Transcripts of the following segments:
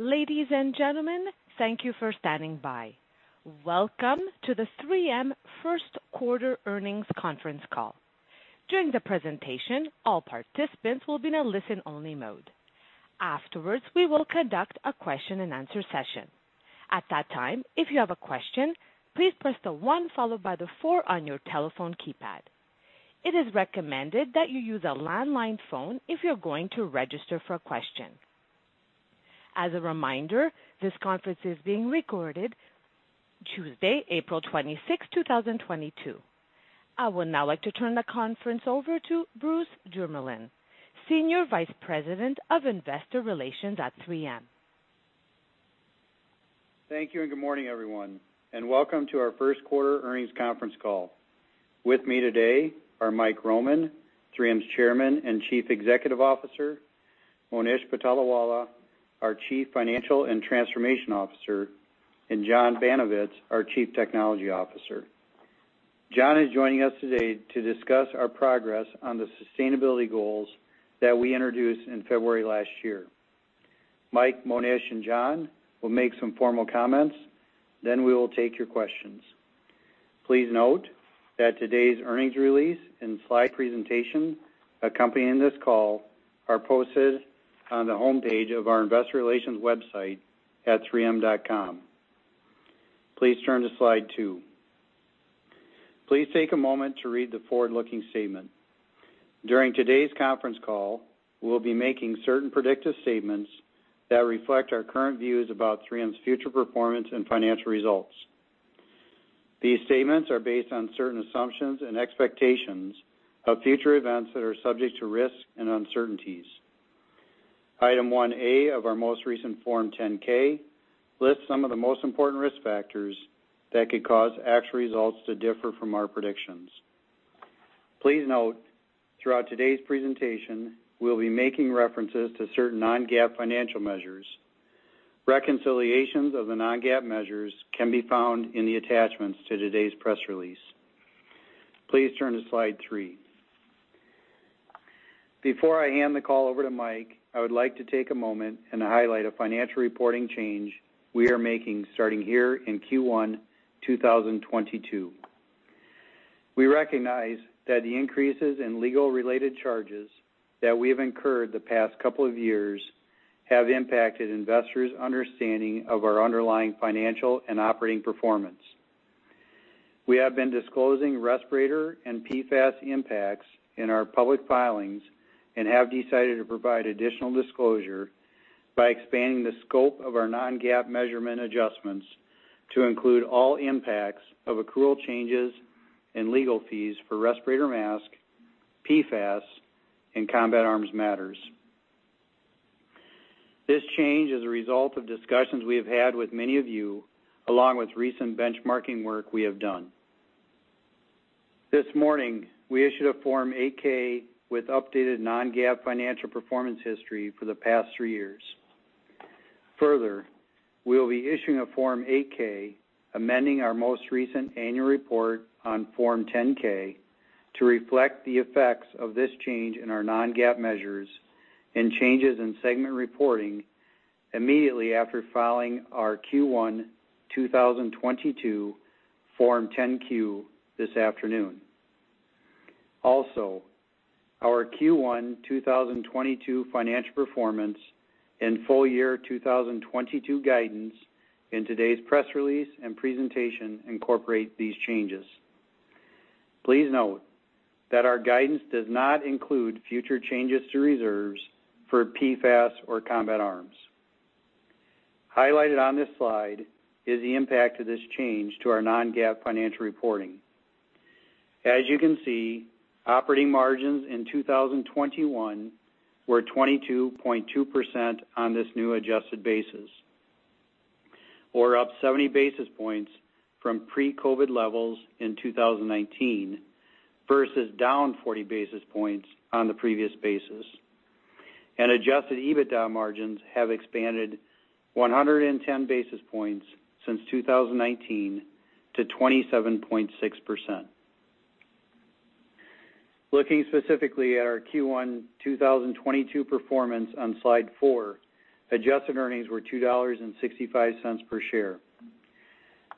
Ladies and gentlemen, thank you for standing by. Welcome to the 3M first quarter earnings conference call. During the presentation, all participants will be in a listen-only mode. Afterwards, we will conduct a question-and-answer session. At that time, if you have a question, please press star one on your telephone keypad. It is recommended that you use a landline phone if you're going to register for a question. As a reminder, this conference is being recorded Tuesday, April 26, 2022. I would now like to turn the conference over to Bruce Jermeland, Senior Vice President of Investor Relations at 3M. Thank you, and good morning, everyone, and welcome to our first quarter earnings conference call. With me today are Mike Roman, 3M's Chairman and Chief Executive Officer, Monish Patolawala, our Chief Financial and Transformation Officer, and John Banovetz, our Chief Technology Officer. John is joining us today to discuss our progress on the sustainability goals that we introduced in February last year. Mike, Monish, and John will make some formal comments, then we will take your questions. Please note that today's earnings release and slide presentation accompanying this call are posted on the homepage of our investor relations website at 3m.com. Please turn to slide two. Please take a moment to read the forward-looking statement. During today's conference call, we'll be making certain predictive statements that reflect our current views about 3M's future performance and financial results. These statements are based on certain assumptions and expectations of future events that are subject to risk and uncertainties. Item 1A of our most recent Form 10-K lists some of the most important risk factors that could cause actual results to differ from our predictions. Please note, throughout today's presentation, we'll be making references to certain non-GAAP financial measures. Reconciliations of the non-GAAP measures can be found in the attachments to today's press release. Please turn to slide three. Before I hand the call over to Mike, I would like to take a moment and highlight a financial reporting change we are making starting here in Q1 2022. We recognize that the increases in legal-related charges that we have incurred the past couple of years have impacted investors' understanding of our underlying financial and operating performance. We have been disclosing respirator and PFAS impacts in our public filings and have decided to provide additional disclosure by expanding the scope of our non-GAAP measurement adjustments to include all impacts of accrual changes and legal fees for respirator mask, PFAS, and Combat Arms matters. This change is a result of discussions we have had with many of you, along with recent benchmarking work we have done. This morning, we issued a Form 8-K with updated non-GAAP financial performance history for the past three years. Further, we will be issuing a Form 8-K amending our most recent annual report on Form 10-K to reflect the effects of this change in our non-GAAP measures and changes in segment reporting immediately after filing our Q1 2022 Form 10-Q this afternoon. Our Q1 2022 financial performance and full year 2022 guidance in today's press release and presentation incorporate these changes. Please note that our guidance does not include future changes to reserves for PFAS or Combat Arms. Highlighted on this slide is the impact of this change to our non-GAAP financial reporting. As you can see, operating margins in 2021 were 22.2% on this new adjusted basis, or up 70 basis points from pre-COVID levels in 2019 versus down 40 basis points on the previous basis. Adjusted EBITDA margins have expanded 110 basis points since 2019 to 27.6%. Looking specifically at our Q1 2022 performance on slide four, adjusted earnings were $2.65 per share.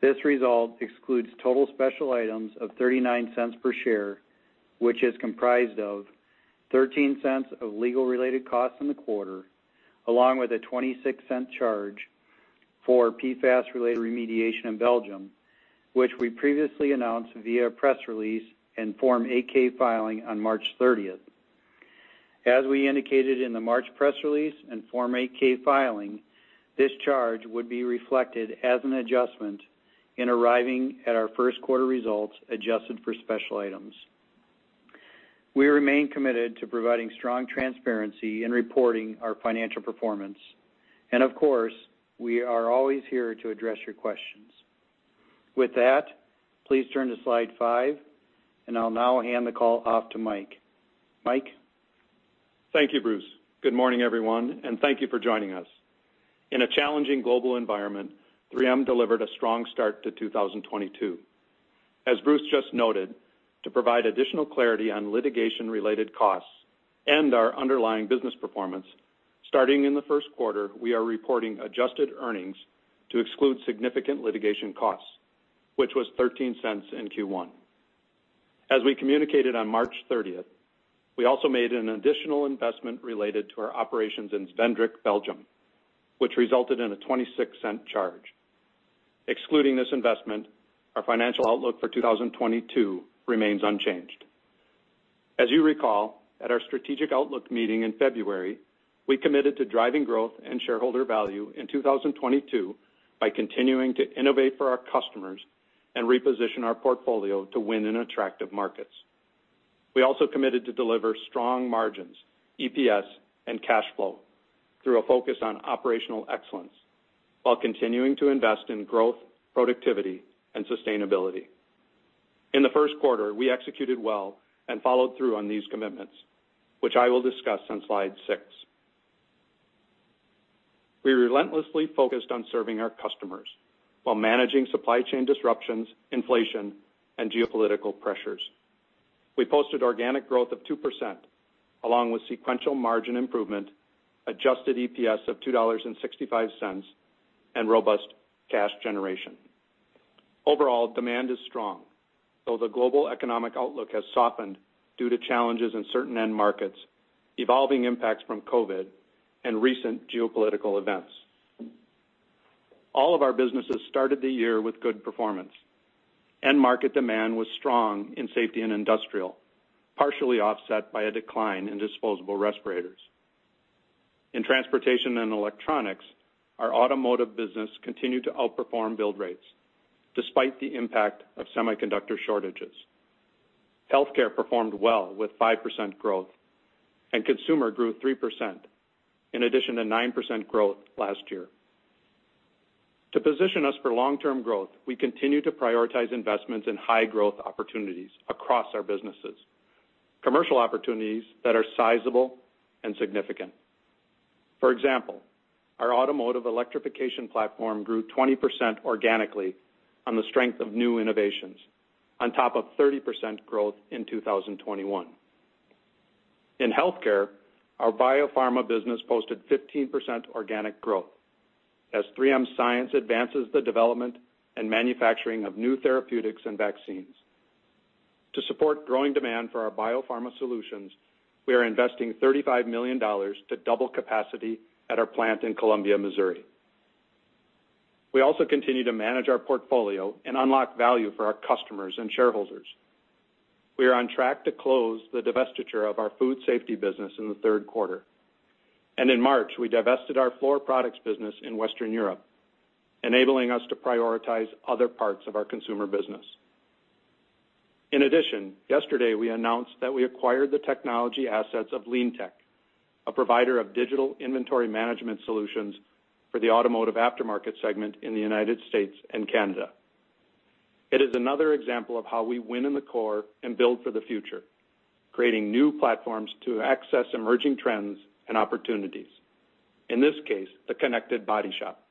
This result excludes total special items of $0.39 per share, which is comprised of $0.13 of legal-related costs in the quarter, along with a $0.26 charge for PFAS-related remediation in Belgium, which we previously announced via press release and Form 8-K filing on March 30. As we indicated in the March press release and Form 8-K filing, this charge would be reflected as an adjustment in arriving at our first quarter results adjusted for special items. We remain committed to providing strong transparency in reporting our financial performance. Of course, we are always here to address your questions. With that, please turn to slide five, and I'll now hand the call off to Mike. Mike? Thank you, Bruce. Good morning, everyone, and thank you for joining us. In a challenging global environment, 3M delivered a strong start to 2022. As Bruce just noted, to provide additional clarity on litigation-related costs and our underlying business performance, starting in the first quarter, we are reporting adjusted earnings to exclude significant litigation costs, which was $0.13 in Q1. As we communicated on March 30, we also made an additional investment related to our operations in Zwijndrecht, Belgium, which resulted in a $0.26 charge. Excluding this investment, our financial outlook for 2022 remains unchanged. As you recall, at our strategic outlook meeting in February, we committed to driving growth and shareholder value in 2022 by continuing to innovate for our customers and reposition our portfolio to win in attractive markets. We also committed to deliver strong margins, EPS, and cash flow through a focus on operational excellence while continuing to invest in growth, productivity, and sustainability. In the first quarter, we executed well and followed through on these commitments, which I will discuss on slide six. We relentlessly focused on serving our customers while managing supply chain disruptions, inflation, and geopolitical pressures. We posted organic growth of 2% along with sequential margin improvement, adjusted EPS of $2.65, and robust cash generation. Overall, demand is strong, though the global economic outlook has softened due to challenges in certain end markets, evolving impacts from COVID, and recent geopolitical events. All of our businesses started the year with good performance. End market demand was strong in Safety & Industrial, partially offset by a decline in disposable respirators. In Transportation & Electronics, our automotive business continued to outperform build rates despite the impact of semiconductor shortages. Health Care performed well with 5% growth, and Consumer grew 3% in addition to 9% growth last year. To position us for long-term growth, we continue to prioritize investments in high-growth opportunities across our businesses, commercial opportunities that are sizable and significant. For example, our automotive electrification platform grew 20% organically on the strength of new innovations on top of 30% growth in 2021. In Health Care, our biopharma business posted 15% organic growth as 3M science advances the development and manufacturing of new therapeutics and vaccines. To support growing demand for our biopharma solutions, we are investing $35 million to double capacity at our plant in Columbia, Missouri. We also continue to manage our portfolio and unlock value for our customers and shareholders. We are on track to close the divestiture of our food safety business in the third quarter. In March, we divested our floor products business in Western Europe, enabling us to prioritize other parts of our consumer business. In addition, yesterday, we announced that we acquired the technology assets of LeanTec, a provider of digital inventory management solutions for the automotive aftermarket segment in the United States and Canada. It is another example of how we win in the core and build for the future, creating new platforms to access emerging trends and opportunities. In this case, the Connected Body Shop,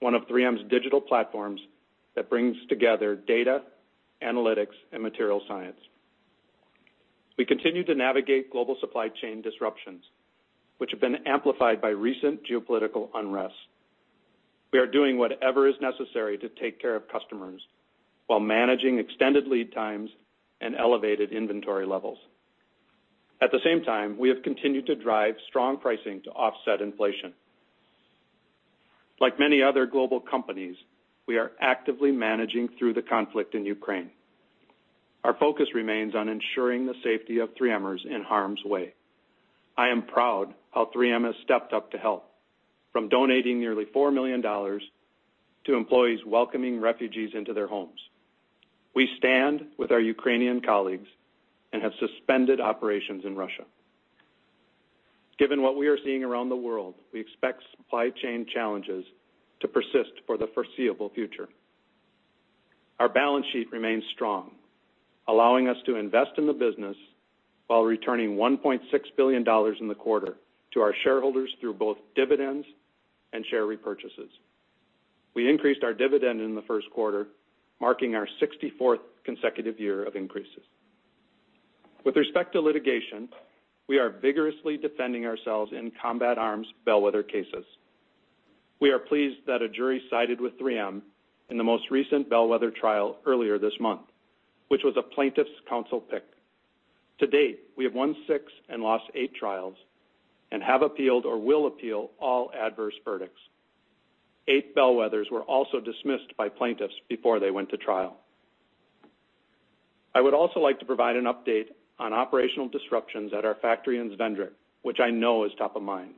one of 3M's digital platforms that brings together data, analytics, and material science. We continue to navigate global supply chain disruptions, which have been amplified by recent geopolitical unrest. We are doing whatever is necessary to take care of customers while managing extended lead times and elevated inventory levels. At the same time, we have continued to drive strong pricing to offset inflation. Like many other global companies, we are actively managing through the conflict in Ukraine. Our focus remains on ensuring the safety of 3Mers in harm's way. I am proud how 3M has stepped up to help, from donating nearly $4 million to employees welcoming refugees into their homes. We stand with our Ukrainian colleagues and have suspended operations in Russia. Given what we are seeing around the world, we expect supply chain challenges to persist for the foreseeable future. Our balance sheet remains strong, allowing us to invest in the business while returning $1.6 billion in the quarter to our shareholders through both dividends and share repurchases. We increased our dividend in the first quarter, marking our 64th consecutive year of increases. With respect to litigation, we are vigorously defending ourselves in Combat Arms bellwether cases. We are pleased that a jury sided with 3M in the most recent bellwether trial earlier this month, which was a plaintiff's counsel pick. To date, we have won six and lost eight trials and have appealed or will appeal all adverse verdicts. Eight bellwethers were also dismissed by plaintiffs before they went to trial. I would also like to provide an update on operational disruptions at our factory in Zwijndrecht, which I know is top of mind.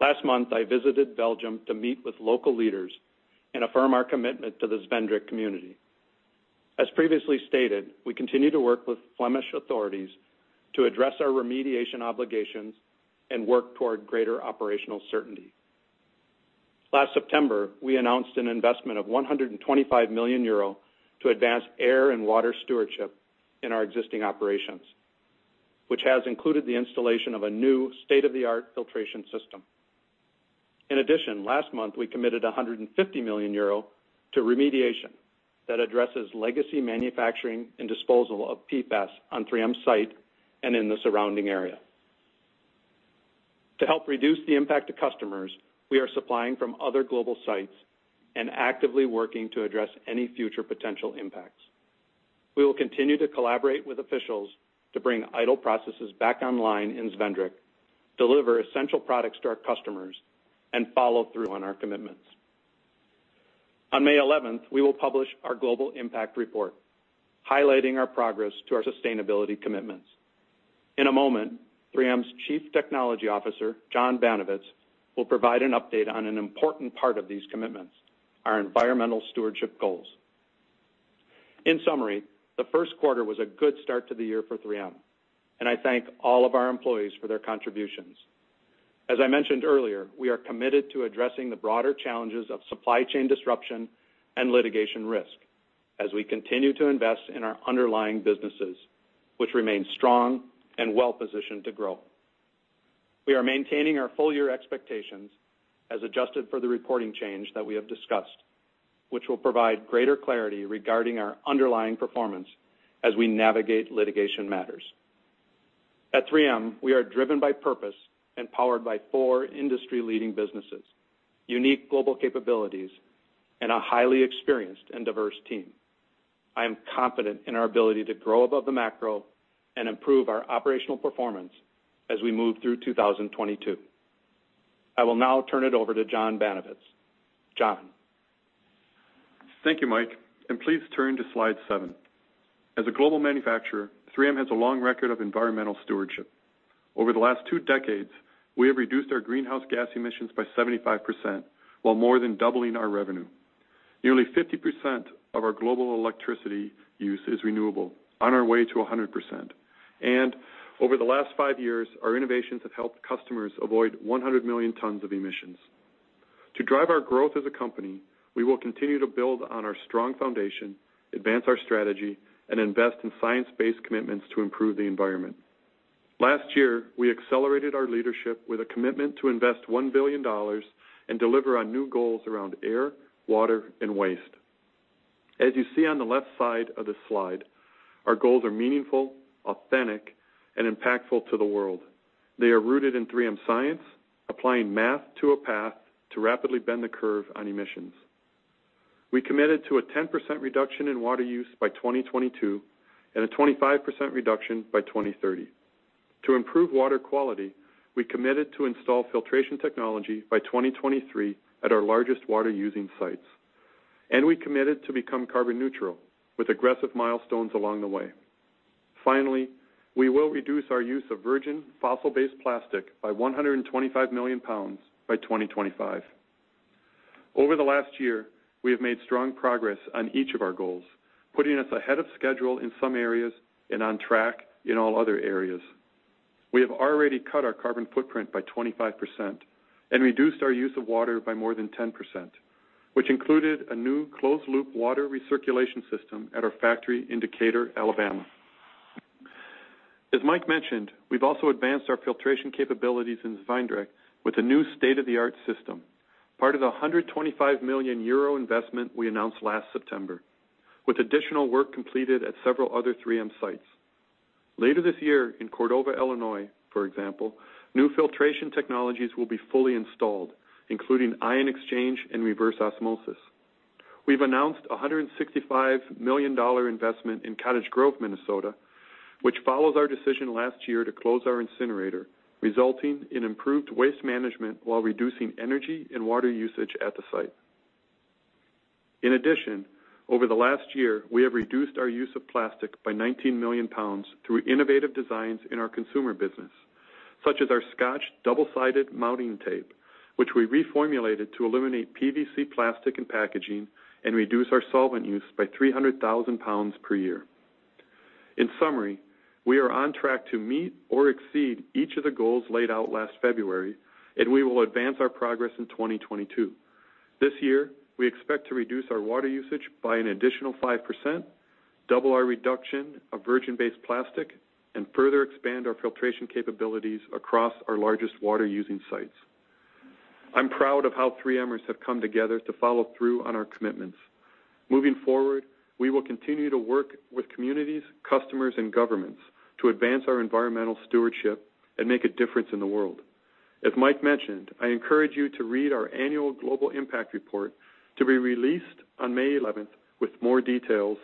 Last month, I visited Belgium to meet with local leaders and affirm our commitment to the Zwijndrecht community. As previously stated, we continue to work with Flemish authorities to address our remediation obligations and work toward greater operational certainty. Last September, we announced an investment of 125 million euro to advance air and water stewardship in our existing operations, which has included the installation of a new state-of-the-art filtration system. In addition, last month, we committed 150 million euro to remediation that addresses legacy manufacturing and disposal of PFAS on 3M site and in the surrounding area. To help reduce the impact to customers, we are supplying from other global sites and actively working to address any future potential impacts. We will continue to collaborate with officials to bring idle processes back online in Zwijndrecht, deliver essential products to our customers, and follow through on our commitments. On May 11, we will publish our global impact report, highlighting our progress to our sustainability commitments. In a moment, 3M's Chief Technology Officer, John Banovetz, will provide an update on an important part of these commitments, our environmental stewardship goals. In summary, the first quarter was a good start to the year for 3M, and I thank all of our employees for their contributions. As I mentioned earlier, we are committed to addressing the broader challenges of supply chain disruption and litigation risk as we continue to invest in our underlying businesses, which remain strong and well-positioned to grow. We are maintaining our full year expectations as adjusted for the reporting change that we have discussed, which will provide greater clarity regarding our underlying performance as we navigate litigation matters. At 3M, we are driven by purpose and powered by four industry-leading businesses, unique global capabilities, and a highly experienced and diverse team. I am confident in our ability to grow above the macro and improve our operational performance as we move through 2022. I will now turn it over to John Banovetz. John. Thank you, Mike, and please turn to slide seven. As a global manufacturer, 3M has a long record of environmental stewardship. Over the last two decades, we have reduced our greenhouse gas emissions by 75% while more than doubling our revenue. Nearly 50% of our global electricity use is renewable, on our way to 100%. Over the last five years, our innovations have helped customers avoid 100 million tons of emissions. To drive our growth as a company, we will continue to build on our strong foundation, advance our strategy, and invest in science-based commitments to improve the environment. Last year, we accelerated our leadership with a commitment to invest $1 billion and deliver on new goals around air, water, and waste. As you see on the left side of this slide, our goals are meaningful, authentic, and impactful to the world. They are rooted in 3M science, applying math to a path to rapidly bend the curve on emissions. We committed to a 10% reduction in water use by 2022, and a 25% reduction by 2030. To improve water quality, we committed to install filtration technology by 2023 at our largest water-using sites. We committed to become carbon neutral with aggressive milestones along the way. Finally, we will reduce our use of virgin fossil-based plastic by 125 million pounds by 2025. Over the last year, we have made strong progress on each of our goals, putting us ahead of schedule in some areas and on track in all other areas. We have already cut our carbon footprint by 25% and reduced our use of water by more than 10%, which included a new closed loop water recirculation system at our factory in Decatur, Alabama. As Mike mentioned, we've also advanced our filtration capabilities in Zwijndrecht with a new state-of-the-art system, part of the 125 million euro investment we announced last September, with additional work completed at several other 3M sites. Later this year in Cordova, Illinois, for example, new filtration technologies will be fully installed, including ion exchange and reverse osmosis. We've announced a $165 million investment in Cottage Grove, Minnesota, which follows our decision last year to close our incinerator, resulting in improved waste management while reducing energy and water usage at the site. In addition, over the last year, we have reduced our use of plastic by 19 million pounds through innovative designs in our Consumer business, such as our Scotch double-sided mounting tape, which we reformulated to eliminate PVC plastic and packaging and reduce our solvent use by 300,000 pounds per year. In summary, we are on track to meet or exceed each of the goals laid out last February, and we will advance our progress in 2022. This year, we expect to reduce our water usage by an additional 5%, double our reduction of virgin-based plastic, and further expand our filtration capabilities across our largest water-using sites. I'm proud of how 3Mers have come together to follow through on our commitments. Moving forward, we will continue to work with communities, customers, and governments to advance our environmental stewardship and make a difference in the world. As Mike mentioned, I encourage you to read our annual global impact report to be released on May 11th with more details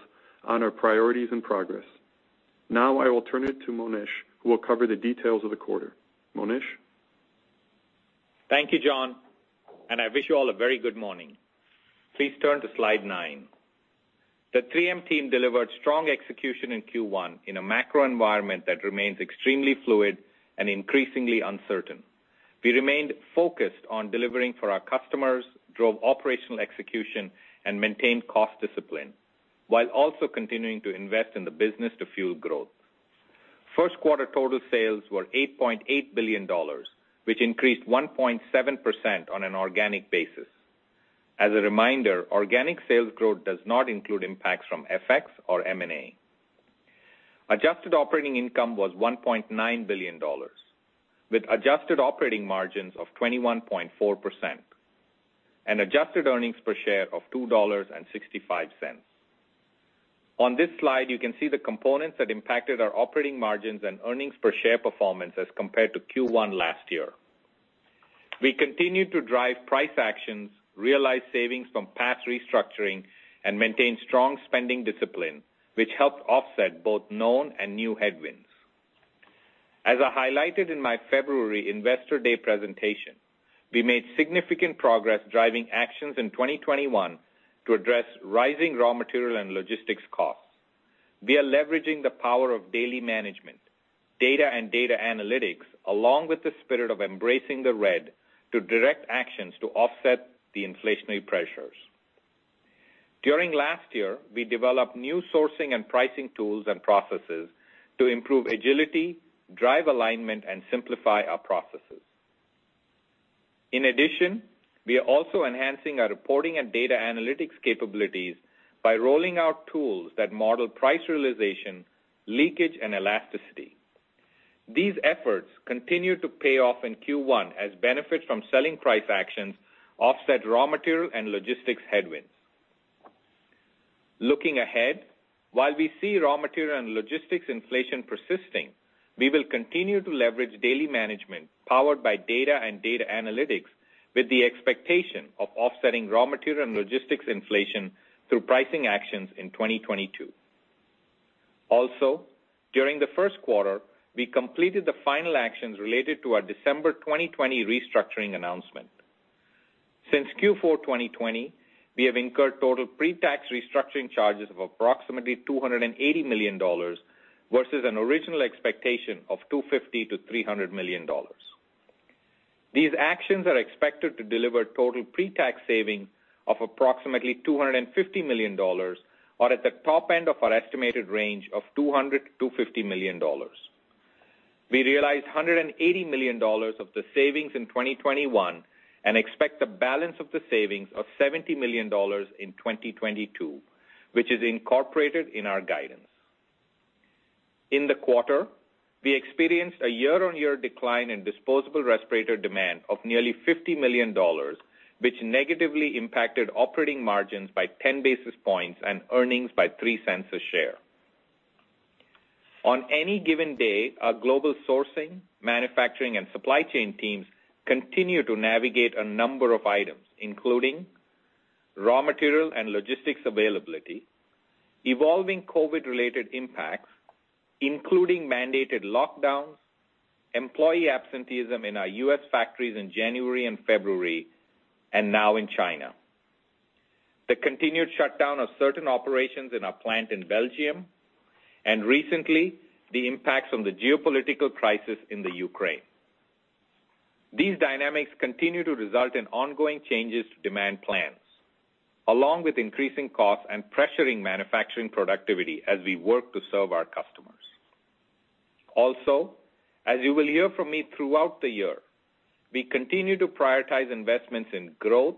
on our priorities and progress. Now I will turn it to Monish, who will cover the details of the quarter. Monish? Thank you, John, and I wish you all a very good morning. Please turn to slide nine. The 3M team delivered strong execution in Q1 in a macro environment that remains extremely fluid and increasingly uncertain. We remained focused on delivering for our customers, drove operational execution, and maintained cost discipline, while also continuing to invest in the business to fuel growth. First quarter total sales were $8.8 billion, which increased 1.7% on an organic basis. As a reminder, organic sales growth does not include impacts from FX or M&A. Adjusted operating income was $1.9 billion, with adjusted operating margins of 21.4%, and adjusted earnings per share of $2.65. On this slide, you can see the components that impacted our operating margins and earnings per share performance as compared to Q1 last year. We continued to drive price actions, realized savings from past restructuring, and maintained strong spending discipline, which helped offset both known and new headwinds. As I highlighted in my February Investor Day presentation, we made significant progress driving actions in 2021 to address rising raw material and logistics costs. We are leveraging the power of daily management, data and data analytics, along with the spirit of embracing the red to direct actions to offset the inflationary pressures. During last year, we developed new sourcing and pricing tools and processes to improve agility, drive alignment, and simplify our processes. In addition, we are also enhancing our reporting and data analytics capabilities by rolling out tools that model price realization, leakage, and elasticity. These efforts continued to pay off in Q1 as benefits from selling price actions offset raw material and logistics headwinds. Looking ahead, while we see raw material and logistics inflation persisting, we will continue to leverage daily management powered by data and data analytics with the expectation of offsetting raw material and logistics inflation through pricing actions in 2022. During the first quarter, we completed the final actions related to our December 2020 restructuring announcement. Since Q4 2020, we have incurred total pre-tax restructuring charges of approximately $280 million versus an original expectation of $250 million-$300 million. These actions are expected to deliver total pre-tax saving of approximately $250 million or at the top end of our estimated range of $200 million-$250 million. We realized $180 million of the savings in 2021 and expect the balance of the savings of $70 million in 2022, which is incorporated in our guidance. In the quarter, we experienced a year-on-year decline in disposable respirator demand of nearly $50 million, which negatively impacted operating margins by 10 basis points and earnings by $0.03 per share. On any given day, our global sourcing, manufacturing, and supply chain teams continue to navigate a number of items, including raw material and logistics availability, evolving COVID-related impacts, including mandated lockdowns, employee absenteeism in our U.S. factories in January and February, and now in China, the continued shutdown of certain operations in our plant in Belgium, and recently, the impacts from the geopolitical crisis in the Ukraine. These dynamics continue to result in ongoing changes to demand plans, along with increasing costs and pressuring manufacturing productivity as we work to serve our customers. Also, as you will hear from me throughout the year, we continue to prioritize investments in growth,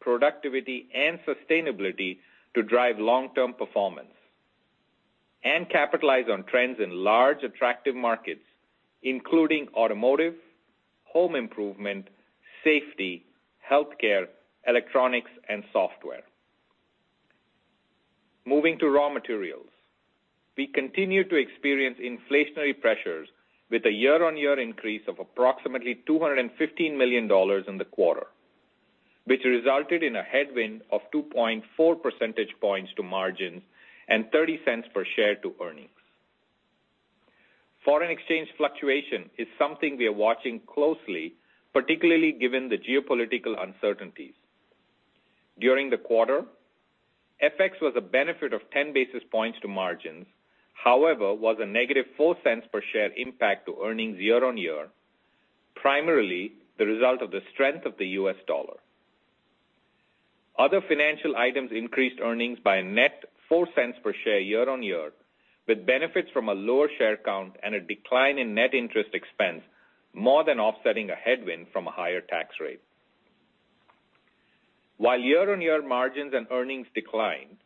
productivity, and sustainability to drive long-term performance and capitalize on trends in large attractive markets, including automotive, home improvement, safety, healthcare, electronics, and software. Moving to raw materials. We continue to experience inflationary pressures with a year-over-year increase of approximately $215 million in the quarter, which resulted in a headwind of 2.4 percentage points to margins and $0.30 per share to earnings. Foreign exchange fluctuation is something we are watching closely, particularly given the geopolitical uncertainties. During the quarter, FX was a benefit of 10 basis points to margins; however, it was a -$0.04 per share impact to earnings year-on-year, primarily the result of the strength of the U.S. dollar. Other financial items increased earnings by a net $0.04 per share year-on-year, with benefits from a lower share count and a decline in net interest expense more than offsetting a headwind from a higher tax rate. While year-on-year margins and earnings declined,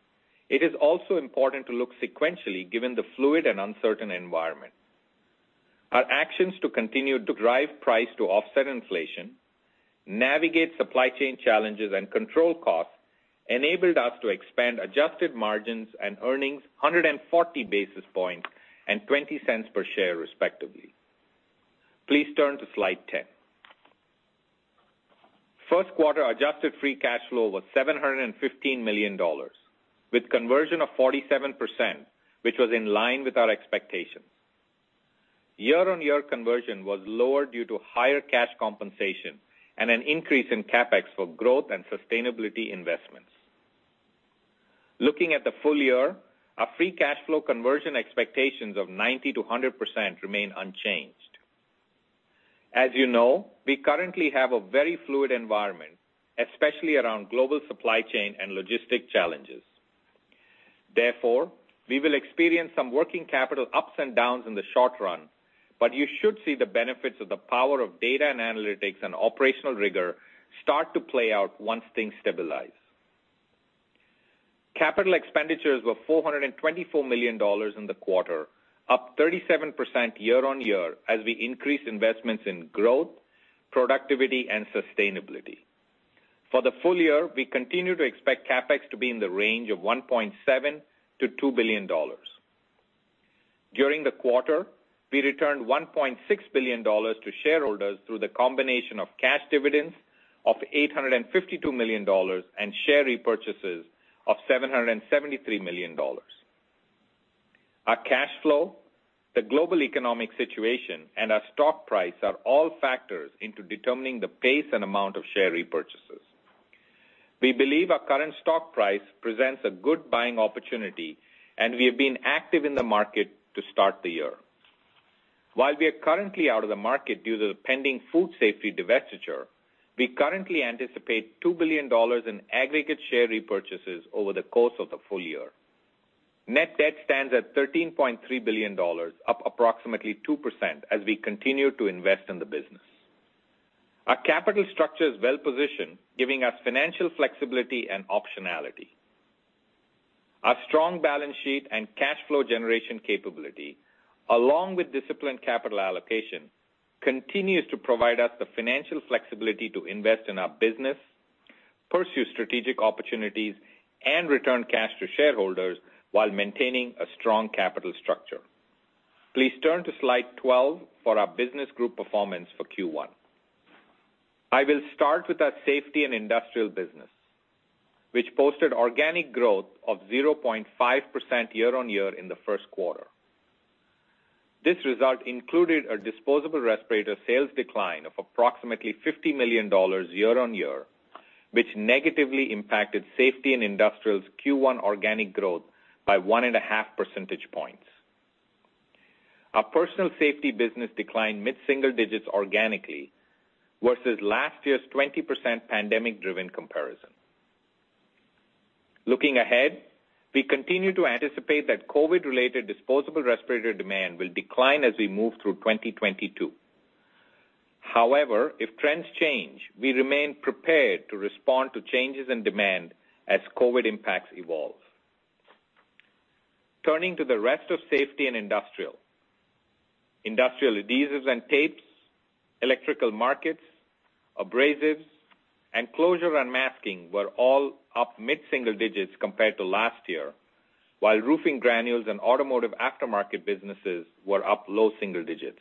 it is also important to look sequentially given the fluid and uncertain environment. Our actions to continue to drive price to offset inflation, navigate supply chain challenges, and control costs enabled us to expand adjusted margins and earnings 140 basis points and $0.20 per share, respectively. Please turn to slide 10. First quarter adjusted free cash flow was $715 million, with conversion of 47%, which was in line with our expectations. Year-on-year conversion was lower due to higher cash compensation and an increase in CapEx for growth and sustainability investments. Looking at the full year, our free cash flow conversion expectations of 90%-100% remain unchanged. As you know, we currently have a very fluid environment, especially around global supply chain and logistics challenges. Therefore, we will experience some working capital ups and downs in the short run, but you should see the benefits of the power of data and analytics and operational rigor start to play out once things stabilize. Capital expenditures were $424 million in the quarter, up 37% year-on-year as we increased investments in growth, productivity and sustainability. For the full year, we continue to expect CapEx to be in the range of $1.7 billion-$2 billion. During the quarter, we returned $1.6 billion to shareholders through the combination of cash dividends of $852 million and share repurchases of $773 million. Our cash flow, the global economic situation, and our stock price are all factors into determining the pace and amount of share repurchases. We believe our current stock price presents a good buying opportunity, and we have been active in the market to start the year. While we are currently out of the market due to the pending food safety divestiture, we currently anticipate $2 billion in aggregate share repurchases over the course of the full year. Net debt stands at $13.3 billion, up approximately 2% as we continue to invest in the business. Our capital structure is well positioned, giving us financial flexibility and optionality. Our strong balance sheet and cash flow generation capability, along with disciplined capital allocation, continues to provide us the financial flexibility to invest in our business, pursue strategic opportunities, and return cash to shareholders while maintaining a strong capital structure. Please turn to slide 12 for our business group performance for Q1. I will start with our Safety & Industrial business, which posted organic growth of 0.5% year-on-year in the first quarter. This result included a disposable respirator sales decline of approximately $50 million year-on-year, which negatively impacted Safety & Industrial's Q1 organic growth by 1.5 percentage points. Our personal safety business declined mid-single digits organically versus last year's 20% pandemic-driven comparison. Looking ahead, we continue to anticipate that COVID-related disposable respirator demand will decline as we move through 2022. However, if trends change, we remain prepared to respond to changes in demand as COVID impacts evolve. Turning to the rest of Safety & Industrial. Industrial adhesives and tapes, electrical markets, abrasives, and closure and masking were all up mid-single digits compared to last year, while roofing granules and automotive aftermarket businesses were up low single digits.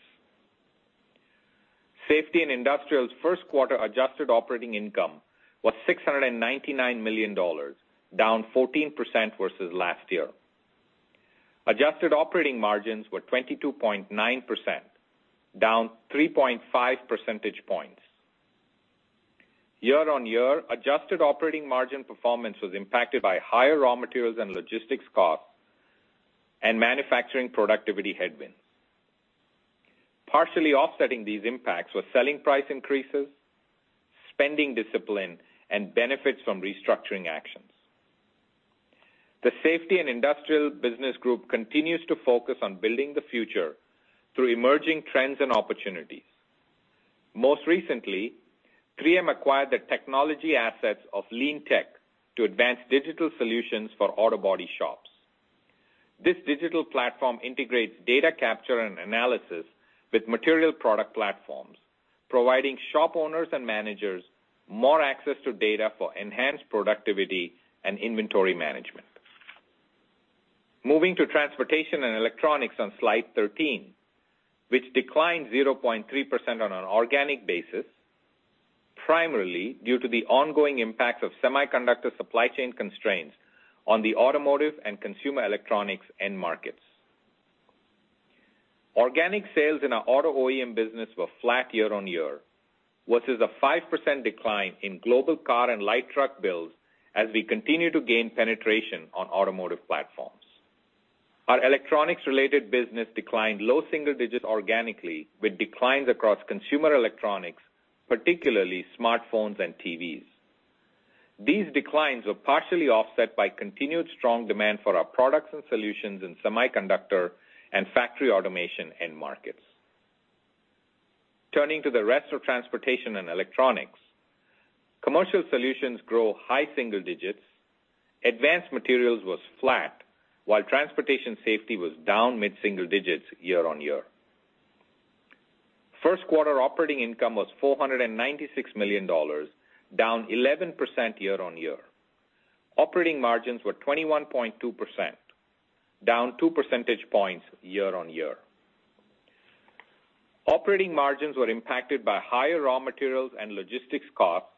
Safety & Industrial's first quarter adjusted operating income was $699 million, down 14% versus last year. Adjusted operating margins were 22.9%, down 3.5 percentage points. Year-on-year, adjusted operating margin performance was impacted by higher raw materials and logistics costs and manufacturing productivity headwinds. Partially offsetting these impacts were selling price increases, spending discipline, and benefits from restructuring actions. The Safety & Industrial business group continues to focus on building the future through emerging trends and opportunities. Most recently, 3M acquired the technology assets of LeanTec to advance digital solutions for auto body shops. This digital platform integrates data capture and analysis with material product platforms, providing shop owners and managers more access to data for enhanced productivity and inventory management. Moving to Transportation & Electronics on slide 13, which declined 0.3% on an organic basis, primarily due to the ongoing impact of semiconductor supply chain constraints on the automotive and consumer electronics end markets. Organic sales in our auto OEM business were flat year-on-year versus a 5% decline in global car and light truck builds as we continue to gain penetration on automotive platforms. Our electronics-related business declined low-single digits organically with declines across consumer electronics, particularly smartphones and TVs. These declines were partially offset by continued strong demand for our products and solutions in semiconductor and factory automation end markets. Turning to the rest of Transportation & Electronics, commercial solutions grew high-single digits, advanced materials was flat, while transportation safety was down mid-single digits year-on-year. First-quarter operating income was $496 million, down 11% year-on-year. Operating margins were 21.2%, down 2 percentage points year-on-year. Operating margins were impacted by higher raw materials and logistics costs,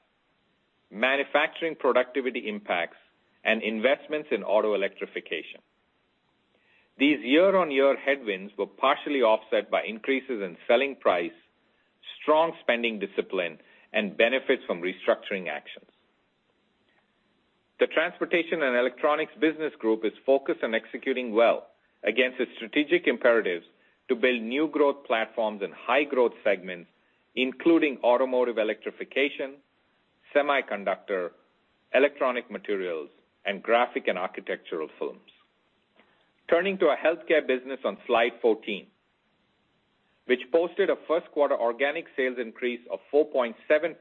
manufacturing productivity impacts, and investments in auto electrification. These year-on-year headwinds were partially offset by increases in selling price, strong spending discipline, and benefits from restructuring actions. The Transportation & Electronics business group is focused on executing well against its strategic imperatives to build new growth platforms in high growth segments, including automotive electrification, semiconductor, electronic materials, and graphic and architectural films. Turning to our Health Care business on slide 14, which posted a first quarter organic sales increase of 4.7%,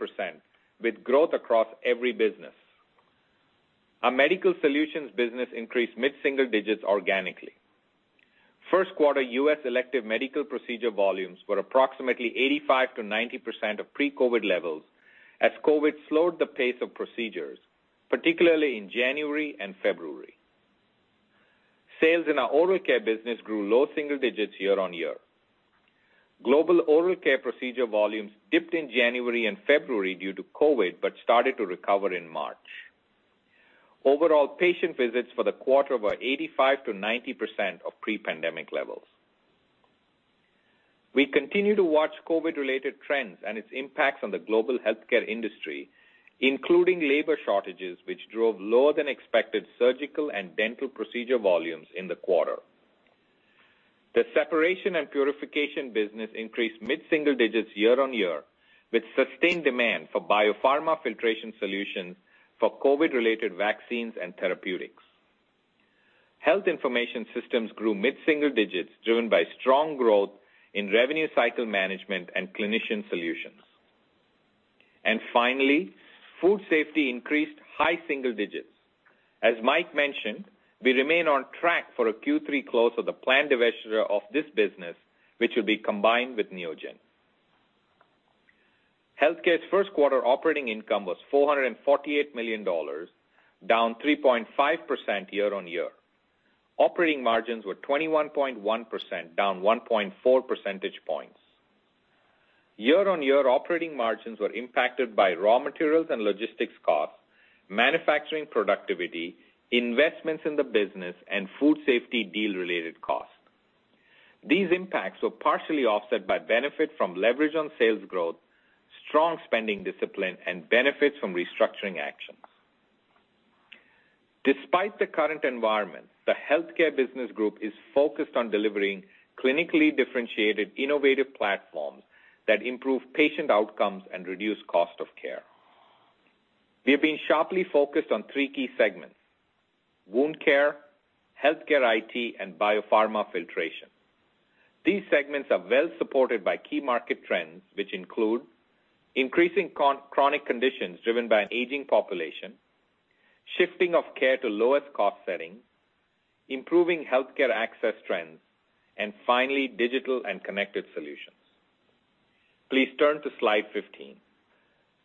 with growth across every business. Our medical solutions business increased mid-single digits organically. First quarter U.S. elective medical procedure volumes were approximately 85%-90% of pre-COVID levels as COVID slowed the pace of procedures, particularly in January and February. Sales in our Oral Care business grew low single digits year-on-year. Global Oral Care procedure volumes dipped in January and February due to COVID, but started to recover in March. Overall, patient visits for the quarter were 85%-90% of pre-pandemic levels. We continue to watch COVID-related trends and its impacts on the Global Health Care industry, including labor shortages, which drove lower than expected surgical and dental procedure volumes in the quarter. The separation and purification business increased mid-single digits year-over-year, with sustained demand for biopharma filtration solutions for COVID-related vaccines and therapeutics. Health information systems grew mid-single digits, driven by strong growth in revenue cycle management and clinician solutions. Finally, food safety increased high single digits. As Mike mentioned, we remain on track for a Q3 close of the planned divestiture of this business, which will be combined with Neogen. Health Care's first quarter operating income was $448 million, down 3.5% year-over-year. Operating margins were 21.1%, down 1.4 percentage points. Year-on-year operating margins were impacted by raw materials and logistics costs, manufacturing productivity, investments in the business, and food safety deal-related costs. These impacts were partially offset by benefit from leverage on sales growth, strong spending discipline, and benefits from restructuring actions. Despite the current environment, the Health Care business group is focused on delivering clinically differentiated, innovative platforms that improve patient outcomes and reduce cost of care. We have been sharply focused on three key segments: wound care, Health Care IT, and biopharma filtration. These segments are well supported by key market trends, which include increasing chronic conditions driven by an aging population, shifting of care to lowest cost settings, improving Health Care access trends, and finally, digital and connected solutions. Please turn to slide 15.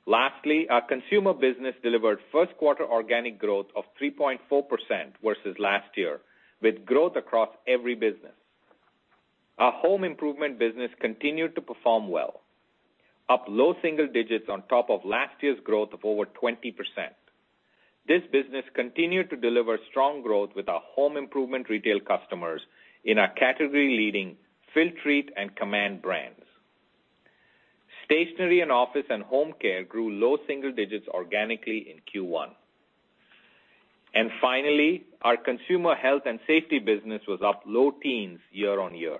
Lastly, our Consumer business delivered first quarter organic growth of 3.4% versus last year, with growth across every business. Our home improvement business continued to perform well, up low single-digits on top of last year's growth of over 20%. This business continued to deliver strong growth with our home improvement retail customers in our category-leading Filtrete and Command brands. Stationery and office and home care grew low single-digits organically in Q1. Finally, our consumer health and safety business was up low teens year-on-year.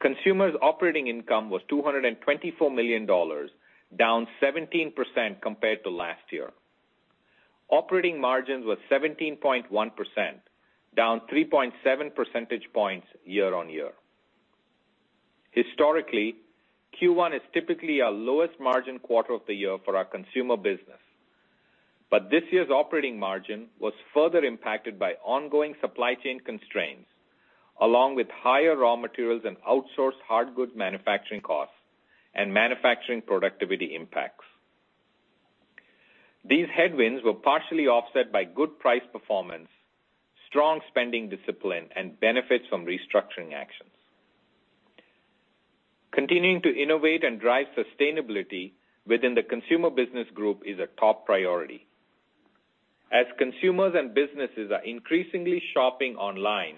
Consumer's operating income was $224 million, down 17% compared to last year. Operating margins were 17.1%, down 3.7 percentage points year-on-year. Historically, Q1 is typically our lowest margin quarter of the year for our consumer business. This year's operating margin was further impacted by ongoing supply chain constraints, along with higher raw materials and outsourced hard goods manufacturing costs and manufacturing productivity impacts. These headwinds were partially offset by good price performance, strong spending discipline, and benefits from restructuring actions. Continuing to innovate and drive sustainability within the consumer business group is a top priority. As consumers and businesses are increasingly shopping online,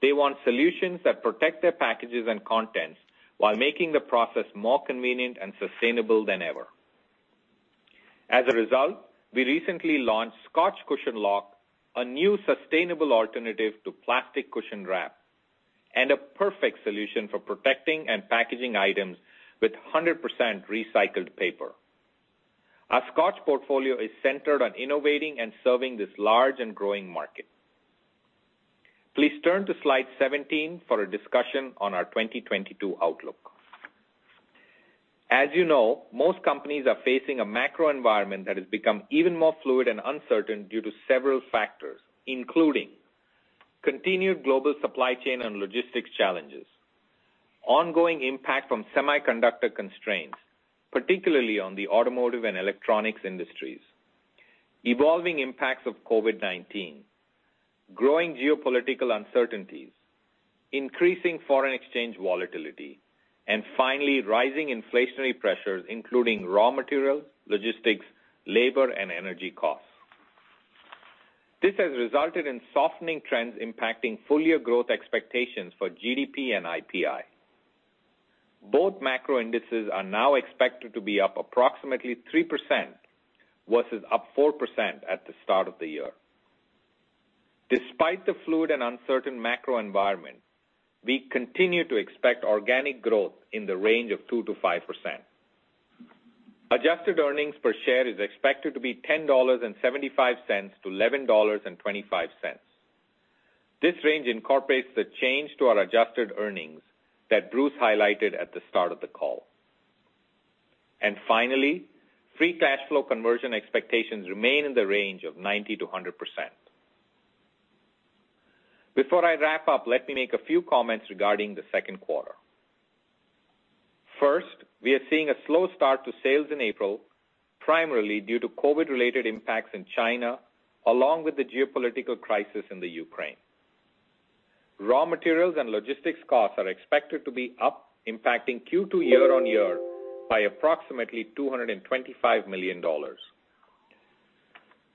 they want solutions that protect their packages and contents while making the process more convenient and sustainable than ever. As a result, we recently launched Scotch Cushion Lock, a new sustainable alternative to plastic cushion wrap, and a perfect solution for protecting and packaging items with 100% recycled paper. Our Scotch portfolio is centered on innovating and serving this large and growing market. Please turn to slide 17 for a discussion on our 2022 outlook. As you know, most companies are facing a macro environment that has become even more fluid and uncertain due to several factors, including continued global supply chain and logistics challenges, ongoing impact from semiconductor constraints, particularly on the automotive and electronics industries, evolving impacts of COVID-19, growing geopolitical uncertainties, increasing foreign exchange volatility, and finally, rising inflationary pressures, including raw materials, logistics, labor, and energy costs. This has resulted in softening trends impacting full year growth expectations for GDP and IPI. Both macro indices are now expected to be up approximately 3% versus up 4% at the start of the year. Despite the fluid and uncertain macro environment, we continue to expect organic growth in the range of 2%-5%. Adjusted earnings per share is expected to be $10.75-$11.25. This range incorporates the change to our adjusted earnings that Bruce highlighted at the start of the call. Finally, free cash flow conversion expectations remain in the range of 90%-100%. Before I wrap up, let me make a few comments regarding the second quarter. First, we are seeing a slow start to sales in April, primarily due to COVID-related impacts in China, along with the geopolitical crisis in the Ukraine. Raw materials and logistics costs are expected to be up, impacting Q2 year-on-year by approximately $225 million.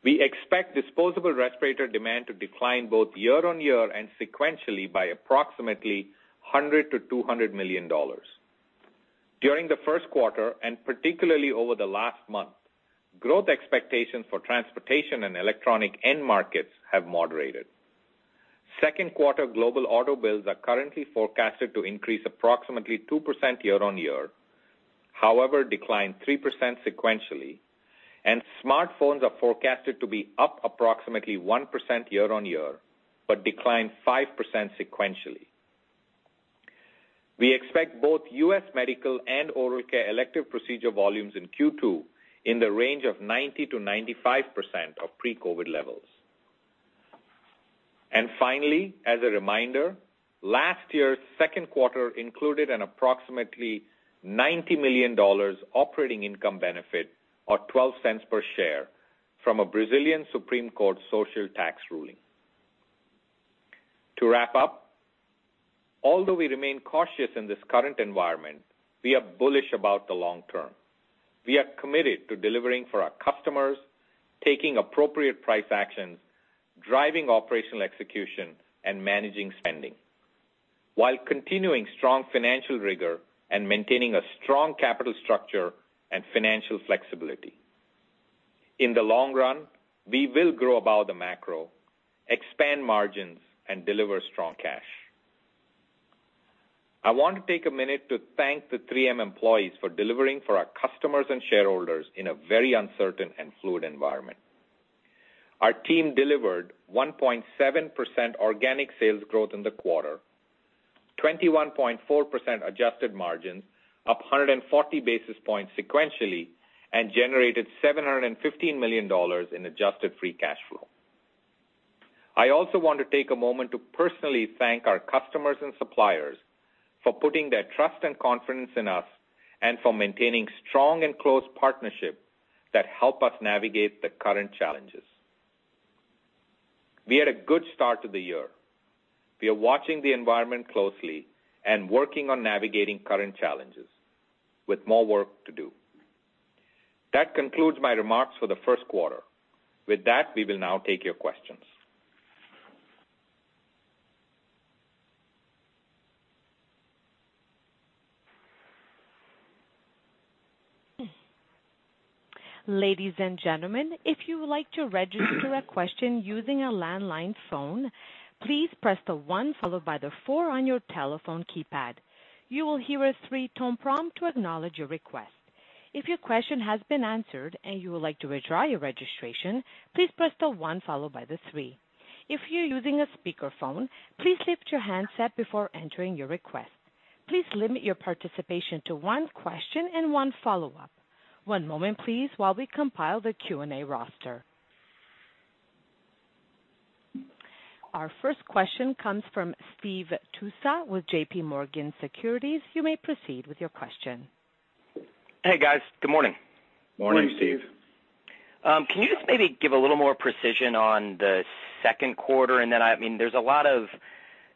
We expect disposable respirator demand to decline both year-on-year and sequentially by approximately $100 million-$200 million. During the first quarter, and particularly over the last month, growth expectations for transportation and electronics end markets have moderated. Second quarter global auto builds are currently forecasted to increase approximately 2% year-on-year, however, declined 3% sequentially, and smartphones are forecasted to be up approximately 1% year-on-year, but declined 5% sequentially. We expect both U.S. medical and Oral Care elective procedure volumes in Q2 in the range of 90%-95% of pre-COVID levels. Finally, as a reminder, last year's second quarter included an approximately $90 million operating income benefit or $0.12 per share from a Brazilian Supreme Court social tax ruling. To wrap up, although we remain cautious in this current environment, we are bullish about the long term. We are committed to delivering for our customers, taking appropriate price actions, driving operational execution, and managing spending while continuing strong financial rigor and maintaining a strong capital structure and financial flexibility. In the long run, we will grow above the macro, expand margins, and deliver strong cash. I want to take a minute to thank the 3M employees for delivering for our customers and shareholders in a very uncertain and fluid environment. Our team delivered 1.7% organic sales growth in the quarter, 21.4% adjusted margins, up 140 basis points sequentially, and generated $715 million in adjusted free cash flow. I also want to take a moment to personally thank our customers and suppliers for putting their trust and confidence in us and for maintaining strong and close partnership that help us navigate the current challenges. We had a good start to the year. We are watching the environment closely and working on navigating current challenges with more work to do. That concludes my remarks for the first quarter. With that, we will now take your questions. Ladies and gentlemen, if you would like to register a question using a landline phone, please press the one followed by the four on your telephone keypad. You will hear a three-tone prompt to acknowledge your request. If your question has been answered and you would like to withdraw your registration, please press the one followed by the three. If you're using a speakerphone, please lift your handset before entering your request. Please limit your participation to one question and one follow-up. One moment, please, while we compile the Q&A roster. Our first question comes from Steve Tusa with JPMorgan Securities. You may proceed with your question. Hey, guys. Good morning. Morning, Steve. Can you just maybe give a little more precision on the second quarter? Then, I mean, there's a lot of,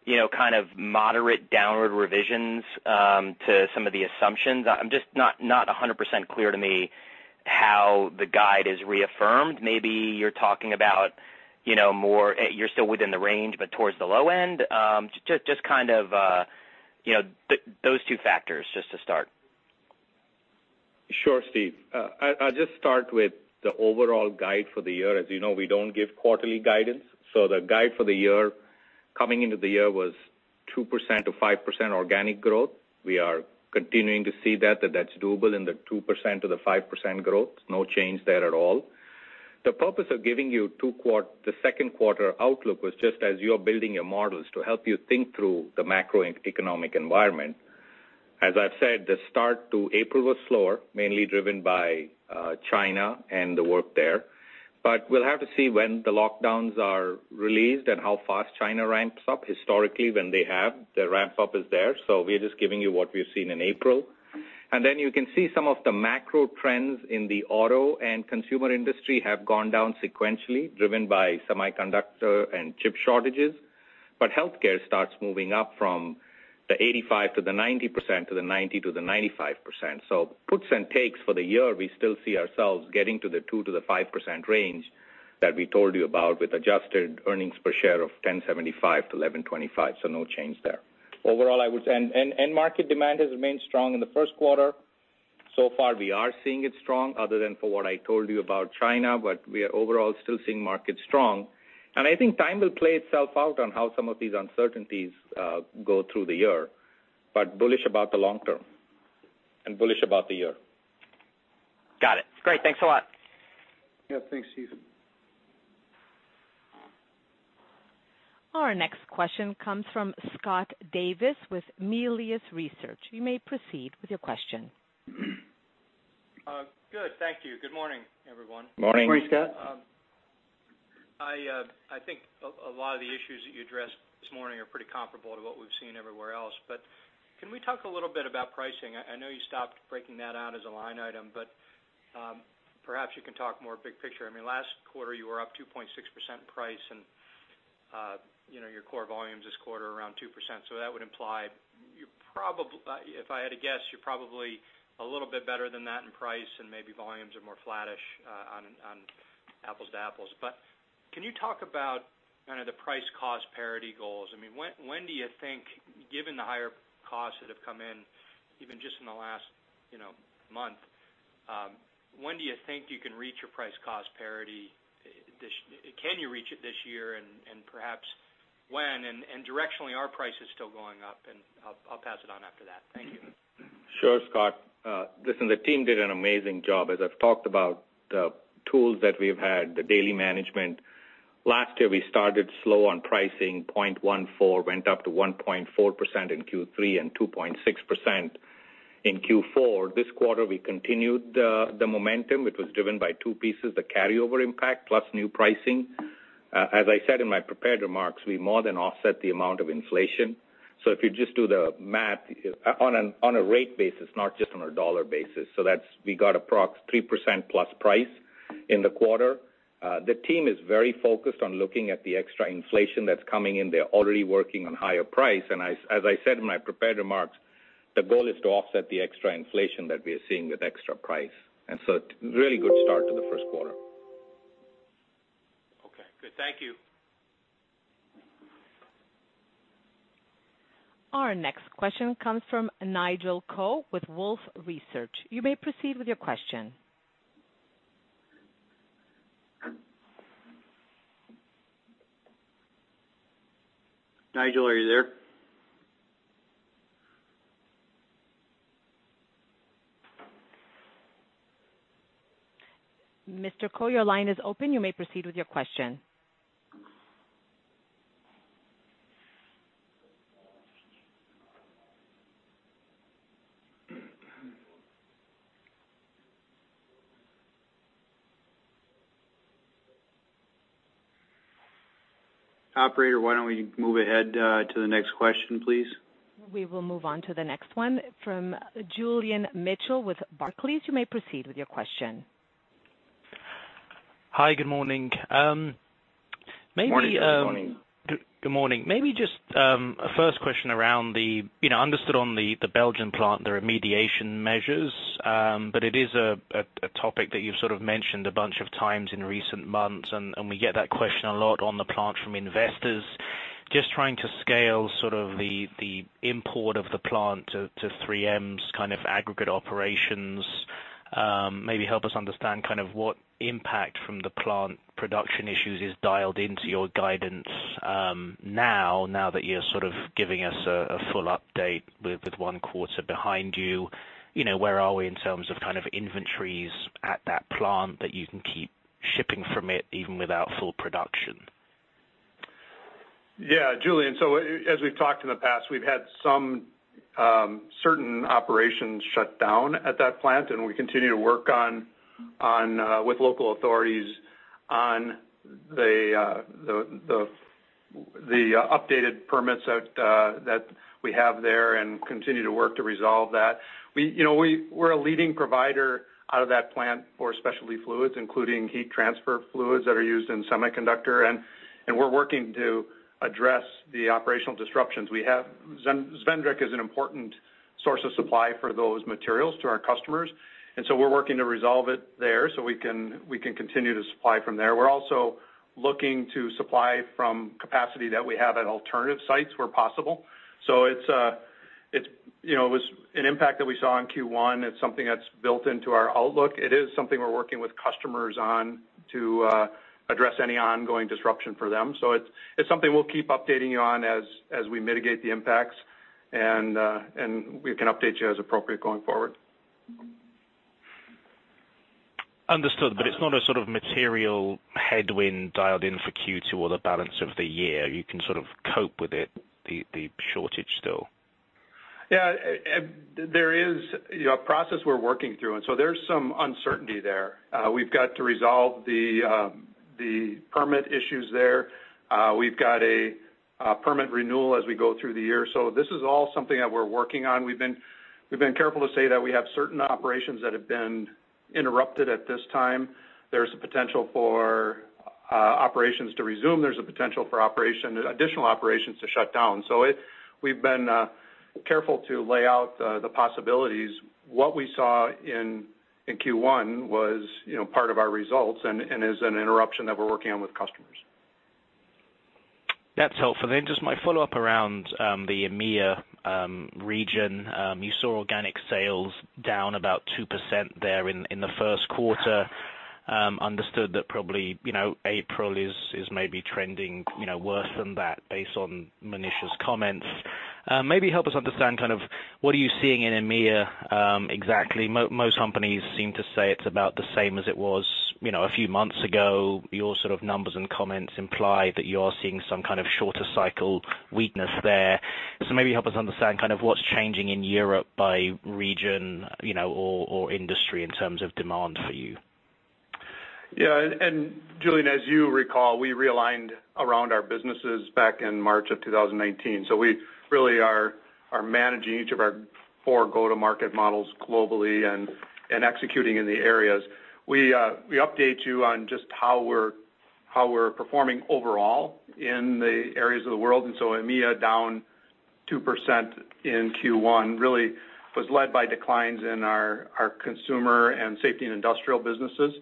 you know, kind of moderate downward revisions to some of the assumptions. I'm just not 100% clear to me how the guide is reaffirmed. Maybe you're talking about, you know, more. You're still within the range, but towards the low end. Just kind of, you know, those two factors just to start. Sure, Steve. I'll just start with the overall guide for the year. As you know, we don't give quarterly guidance, so the guide for the year coming into the year was 2%-5% organic growth. We are continuing to see that that's doable in the 2%-5% growth. No change there at all. The purpose of giving you the second quarter outlook was just as you're building your models to help you think through the macroeconomic environment. As I've said, the start of April was slower, mainly driven by China and the work there. We'll have to see when the lockdowns are released and how fast China ramps up. Historically, when they have, the ramp-up is there, so we're just giving you what we've seen in April. You can see some of the macro trends in the auto and consumer industry have gone down sequentially, driven by semiconductor and chip shortages. Health Care starts moving up from the 85% to the 90% to the 90% to the 95%. Puts and takes for the year, we still see ourselves getting to the 2%-5% range that we told you about with adjusted earnings per share of $10.75-$11.25. No change there. Overall, end market demand has remained strong in the first quarter. So far, we are seeing it strong other than for what I told you about China, but we are overall still seeing markets strong. I think time will play itself out on how some of these uncertainties go through the year. bullish about the long term and bullish about the year. Got it. Great. Thanks a lot. Yeah. Thanks, Steve. Our next question comes from Scott Davis with Melius Research. You may proceed with your question. Good. Thank you. Good morning, everyone. Morning. Morning, Scott. I think a lot of the issues that you addressed this morning are pretty comparable to what we've seen everywhere else, but can we talk a little bit about pricing? I know you stopped breaking that out as a line item, but perhaps you can talk more big picture. I mean, last quarter, you were up 2.6% in price and, you know, your core volumes this quarter around 2%. So that would imply you're probably, if I had to guess, a little bit better than that in price and maybe volumes are more flattish on apples to apples. Can you talk about kind of the price cost parity goals? I mean, when do you think, given the higher costs that have come in, even just in the last, you know, month, when do you think you can reach your price cost parity this year? Can you reach it and perhaps when? Directionally, are prices still going up? I'll pass it on after that. Thank you. Sure, Scott. Listen, the team did an amazing job. As I've talked about the tools that we've had, the daily management. Last year, we started slow on pricing, 0.14%, went up to 1.4% in Q3 and 2.6% in Q4. This quarter, we continued the momentum, which was driven by two pieces, the carryover impact plus new pricing. As I said in my prepared remarks, we more than offset the amount of inflation. If you just do the math on a rate basis, not just on a dollar basis, that's we got approx 3%+ price in the quarter. The team is very focused on looking at the extra inflation that's coming in. They're already working on higher price, and I, as I said in my prepared remarks, the goal is to offset the extra inflation that we are seeing with extra price. Really good start to the first quarter. Okay, good. Thank you. Our next question comes from Nigel Coe with Wolfe Research. You may proceed with your question. Nigel, are you there? Mr. Coe, your line is open. You may proceed with your question. Operator, why don't we move ahead to the next question, please? We will move on to the next one from Julian Mitchell with Barclays. You may proceed with your question. Hi, good morning. Morning. Good morning. Good morning. Maybe just a first question around the, you know, understood on the Belgian plant, the remediation measures, but it is a topic that you've sort of mentioned a bunch of times in recent months, and we get that question a lot on the plant from investors. Just trying to scale sort of the import of the plant to 3M's kind of aggregate operations, maybe help us understand kind of what impact from the plant production issues is dialed into your guidance, now that you're sort of giving us a full update with one quarter behind you. You know, where are we in terms of kind of inventories at that plant that you can keep shipping from it even without full production? Yeah, Julian, as we've talked in the past, we've had some certain operations shut down at that plant, and we continue to work on with local authorities on the updated permits that we have there and continue to work to resolve that. We, you know, we're a leading provider out of that plant for specialty fluids, including heat transfer fluids that are used in semiconductor, and we're working to address the operational disruptions. Zwijndrecht is an important source of supply for those materials to our customers, and so we're working to resolve it there so we can continue to supply from there. We're also looking to supply from capacity that we have at alternative sites where possible. It's, you know, it was an impact that we saw in Q1. It's something that's built into our outlook. It is something we're working with customers on to address any ongoing disruption for them. It's something we'll keep updating you on as we mitigate the impacts, and we can update you as appropriate going forward. Understood. It's not a sort of material headwind dialed in for Q2 or the balance of the year. You can sort of cope with it, the shortage still. Yeah. There is, you know, a process we're working through, and so there's some uncertainty there. We've got to resolve the permit issues there. We've got a permit renewal as we go through the year. This is all something that we're working on. We've been careful to say that we have certain operations that have been interrupted at this time. There's a potential for operations to resume. There's a potential for additional operations to shut down. We've been careful to lay out the possibilities. What we saw in Q1 was, you know, part of our results and is an interruption that we're working on with customers. That's helpful. Just my follow-up around the EMEA region. You saw organic sales down about 2% there in the first quarter. Understood that probably, you know, April is maybe trending, you know, worse than that based on Monish's comments. Maybe help us understand kind of what are you seeing in EMEA exactly. Most companies seem to say it's about the same as it was, you know, a few months ago. Your sort of numbers and comments imply that you are seeing some kind of shorter cycle weakness there. Maybe help us understand kind of what's changing in Europe by region, you know, or industry in terms of demand for you. Julian, as you recall, we realigned around our businesses back in March 2019. We really are managing each of our four go-to-market models globally and executing in the areas. We update you on just how we're performing overall in the areas of the world. EMEA down 2% in Q1 really was led by declines in our Consumer and Safety & Industrial businesses.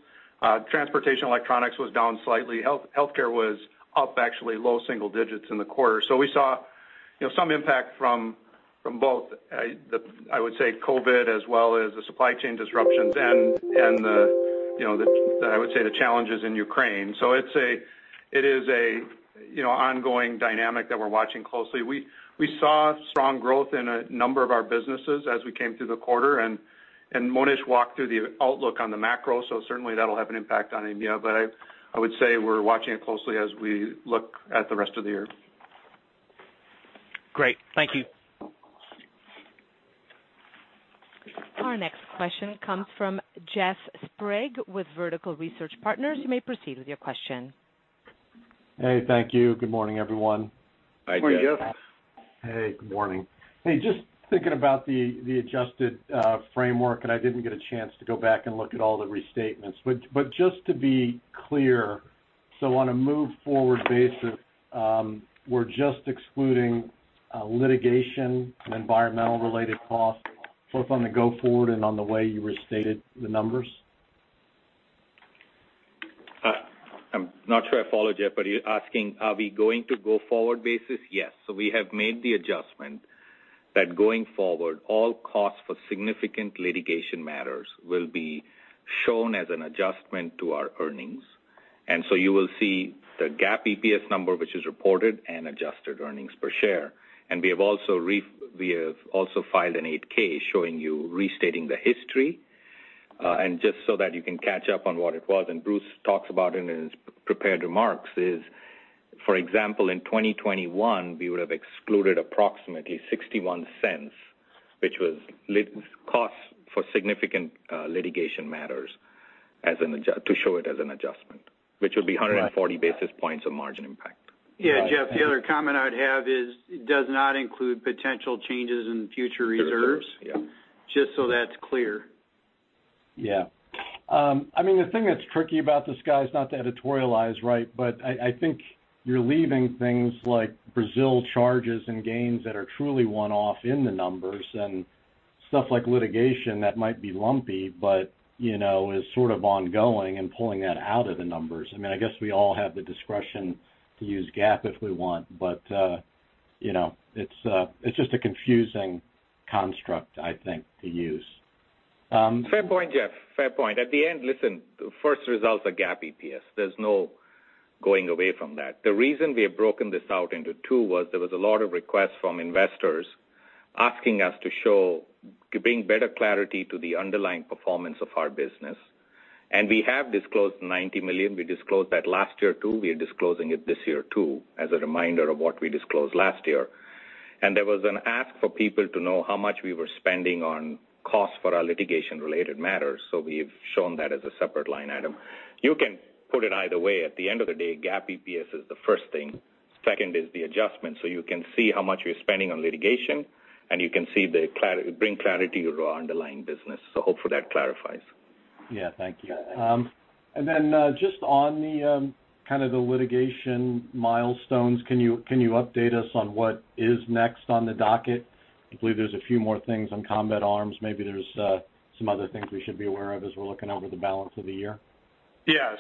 Transportation & Electronics was down slightly. Health Care was up actually low single-digits in the quarter. We saw, you know, some impact from both the, I would say COVID as well as the supply chain disruptions and the, you know, the, I would say the challenges in Ukraine. It is a, you know, ongoing dynamic that we're watching closely. We saw strong growth in a number of our businesses as we came through the quarter, and Monish walked through the outlook on the macro. Certainly that'll have an impact on EMEA. I would say we're watching it closely as we look at the rest of the year. Great. Thank you. Our next question comes from Jeff Sprague with Vertical Research Partners. You may proceed with your question. Hey, thank you. Good morning, everyone. Hi, Jeff. Good morning. Hey, good morning. Hey, just thinking about the adjusted framework, and I didn't get a chance to go back and look at all the restatements. Just to be clear, on a go-forward basis, we're just excluding litigation and environment-related costs both on the go-forward and on the way you restated the numbers? I'm not sure I follow, Jeff, but you're asking, are we going to [do it on a] go-forward basis? Yes. We have made the adjustment that going forward, all costs for significant litigation matters will be shown as an adjustment to our earnings. You will see the GAAP EPS number, which is reported and adjusted earnings per share. We have also filed an 8-K showing the restated history, and just so that you can catch up on what it was, and Bruce talks about in his prepared remarks, is, for example, in 2021, we would have excluded approximately $0.61, which was costs for significant litigation matters to show it as an adjustment, which would be 140 basis points of margin impact. Yeah, Jeff, the other comment I'd have is it does not include potential changes in future reserves. Reserves, yeah. Just so that's clear. Yeah. I mean, the thing that's tricky about this, guys, not to editorialize, right? I think you're leaving things like Brazil charges and gains that are truly one-off in the numbers and stuff like litigation that might be lumpy, but you know, is sort of ongoing and pulling that out of the numbers. I mean, I guess we all have the discretion to use GAAP if we want, but you know, it's just a confusing construct, I think, to use. Fair point, Jeff. Fair point. At the end, listen, first results are GAAP EPS. There's no going away from that. The reason we have broken this out into two was there was a lot of requests from investors asking us to show, giving better clarity to the underlying performance of our business. We have disclosed $90 million. We disclosed that last year, too. We are disclosing it this year, too, as a reminder of what we disclosed last year. There was an ask for people to know how much we were spending on costs for our litigation related matters. We've shown that as a separate line item. You can put it either way. At the end of the day, GAAP EPS is the first thing. Second is the adjustment. You can see how much you're spending on litigation, and you can see bring clarity to our underlying business. Hopefully that clarifies. Yeah. Thank you. Just on the kind of the litigation milestones, can you update us on what is next on the docket? I believe there's a few more things on Combat Arms. Maybe there's some other things we should be aware of as we're looking over the balance of the year. Yeah.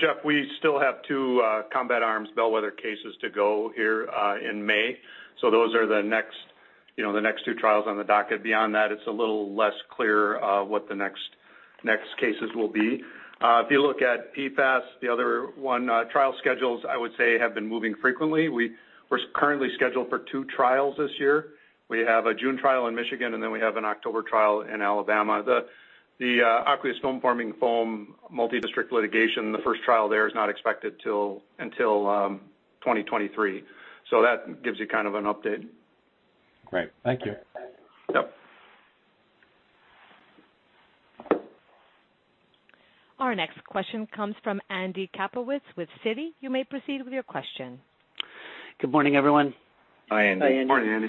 Jeff, we still have two Combat Arms bellwether cases to go here in May. Those are the next, you know, the next two trials on the docket. Beyond that, it's a little less clear what the next cases will be. If you look at PFAS, the other one, trial schedules I would say have been moving frequently. We're currently scheduled for two trials this year. We have a June trial in Michigan, and then we have an October trial in Alabama. The aqueous film forming foam multidistrict litigation, the first trial there is not expected until 2023. That gives you kind of an update. Great. Thank you. Yep. Our next question comes from Andy Kaplowitz with Citi. You may proceed with your question. Good morning, everyone. Hi, Andy. Hi, Andy. Morning, Andy.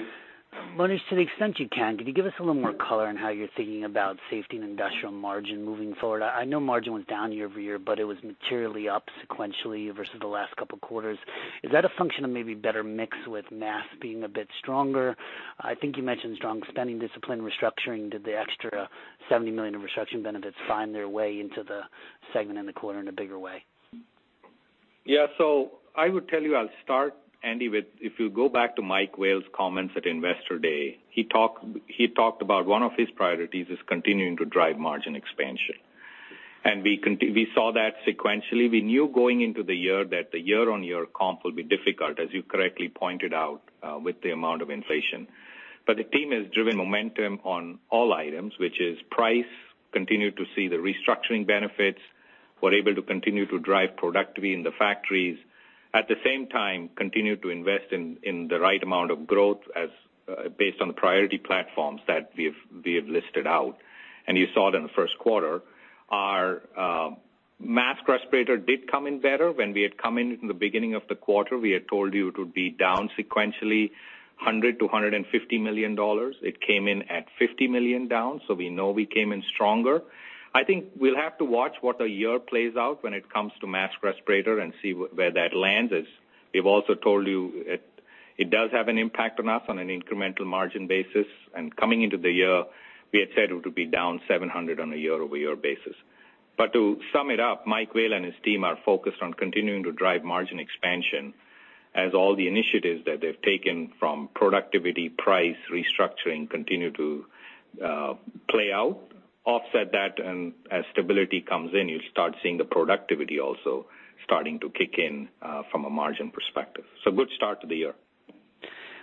Monish, to the extent you can, could you give us a little more color on how you're thinking about Safety & Industrial margin moving forward? I know margin was down year-over-year, but it was materially up sequentially versus the last couple quarters. Is that a function of maybe better mix with mass being a bit stronger? I think you mentioned strong spending discipline restructuring. Did the extra $70 million of restructuring benefits find their way into the segment in the quarter in a bigger way? I would tell you, I'll start, Andy, with if you go back to Michael Vale's comments at Investor Day, he talked about one of his priorities is continuing to drive margin expansion. We saw that sequentially. We knew going into the year that the year-on-year comp will be difficult, as you correctly pointed out, with the amount of inflation. The team has driven momentum on all items, which is price, continue to see the restructuring benefits. We're able to continue to drive productivity in the factories. At the same time, continue to invest in the right amount of growth as based on the priority platforms that we have listed out, and you saw it in the first quarter. Our mask respirator did come in better. When we had come in in the beginning of the quarter, we had told you it would be down sequentially $100-$150 million. It came in at $50 million down, so we know we came in stronger. I think we'll have to watch what the year plays out when it comes to mask respirator and see where that lands, as we've also told you it does have an impact on us on an incremental margin basis. Coming into the year, we had said it would be down $700 million on a year-over-year basis. To sum it up, Michael Vale and his team are focused on continuing to drive margin expansion as all the initiatives that they've taken from productivity, price, restructuring continue to play out, offset that, and as stability comes in, you'll start seeing the productivity also starting to kick in from a margin perspective. Good start to the year.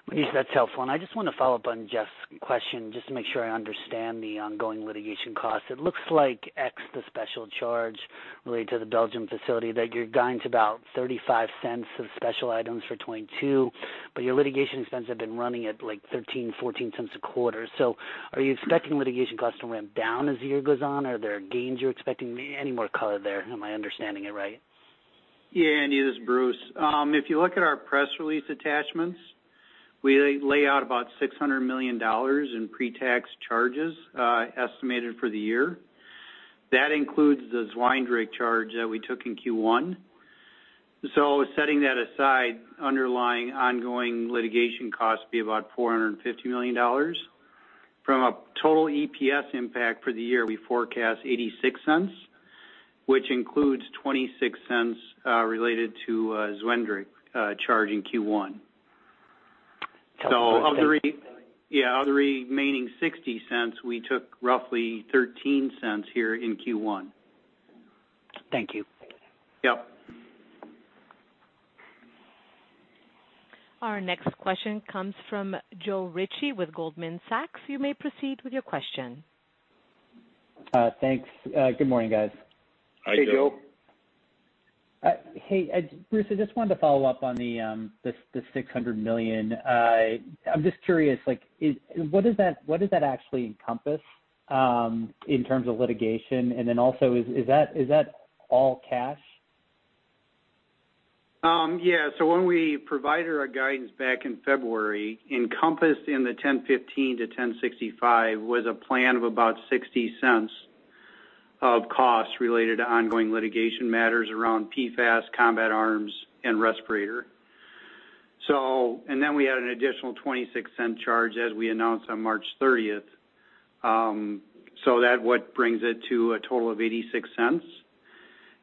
Monish, that's helpful. I just want to follow up on Jeff's question just to make sure I understand the ongoing litigation costs. It looks like the special charge related to the Belgium facility that you're going to about $0.35 of special items for 2022, but your litigation expenses have been running at, like, $0.13, $0.14 a quarter. Are you expecting litigation costs to ramp down as the year goes on? Are there gains you're expecting? Any more color there? Am I understanding it right? Yeah, Andy, this is Bruce. If you look at our press release attachments, we lay out about $600 million in pre-tax charges estimated for the year. That includes the Zwijndrecht charge that we took in Q1. Setting that aside, underlying ongoing litigation costs will be about $450 million. From a total EPS impact for the year, we forecast $0.86, which includes $0.26 related to Zwijndrecht charge in Q1. Of the remaining $0.60, we took roughly $0.13 here in Q1. Thank you. Yep. Our next question comes from Joe Ritchie with Goldman Sachs. You may proceed with your question. Thanks. Good morning, guys. Hi, Joe. Hey, Joe. Hey, Bruce, I just wanted to follow up on the $600 million. I'm just curious, like what does that actually encompass in terms of litigation? Then also is that all cash? When we provided our guidance back in February, encompassed in the $10.15-$10.65 was a plan of about $0.60 of costs related to ongoing litigation matters around PFAS, Combat Arms and respirator. And then we had an additional $0.26 charge as we announced on March 30, so that what brings it to a total of $0.86.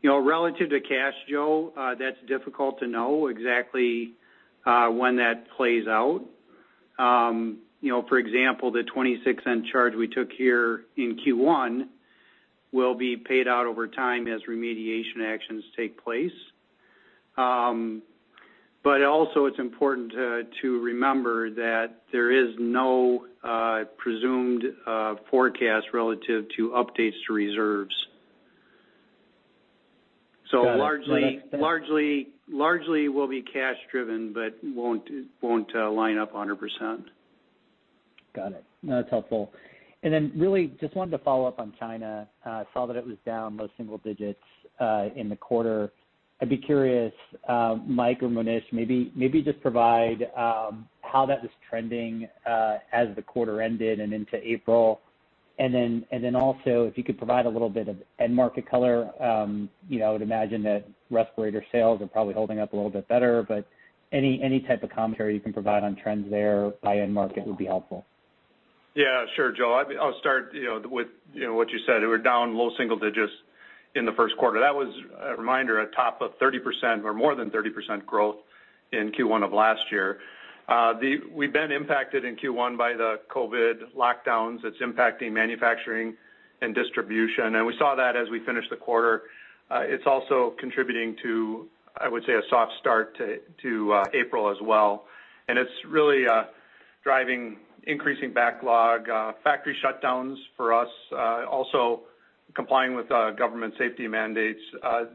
You know, relative to cash, Joe, that's difficult to know exactly when that plays out. You know, for example, the $0.26 charge we took here in Q1 will be paid out over time as remediation actions take place. But also it's important to remember that there is no presumed forecast relative to updates to reserves. Got it. No, that's. Largely will be cash driven, but won't line up 100%. Got it. No, that's helpful. Really just wanted to follow up on China. Saw that it was down low single digits in the quarter. I'd be curious, Mike or Monish, maybe just provide how that was trending as the quarter ended and into April. Also if you could provide a little bit of end market color, you know, I would imagine that respirator sales are probably holding up a little bit better, but any type of commentary you can provide on trends there by end market would be helpful. Yeah, sure, Joe. I mean, I'll start, you know, with, you know, what you said. We're down low single digits in the first quarter. That was a reminder, atop 30% or more than 30% growth in Q1 of last year. We've been impacted in Q1 by the COVID lockdowns. It's impacting manufacturing and distribution, and we saw that as we finished the quarter. It's also contributing to, I would say, a soft start to April as well. It's really driving increasing backlog, factory shutdowns for us, also complying with government safety mandates.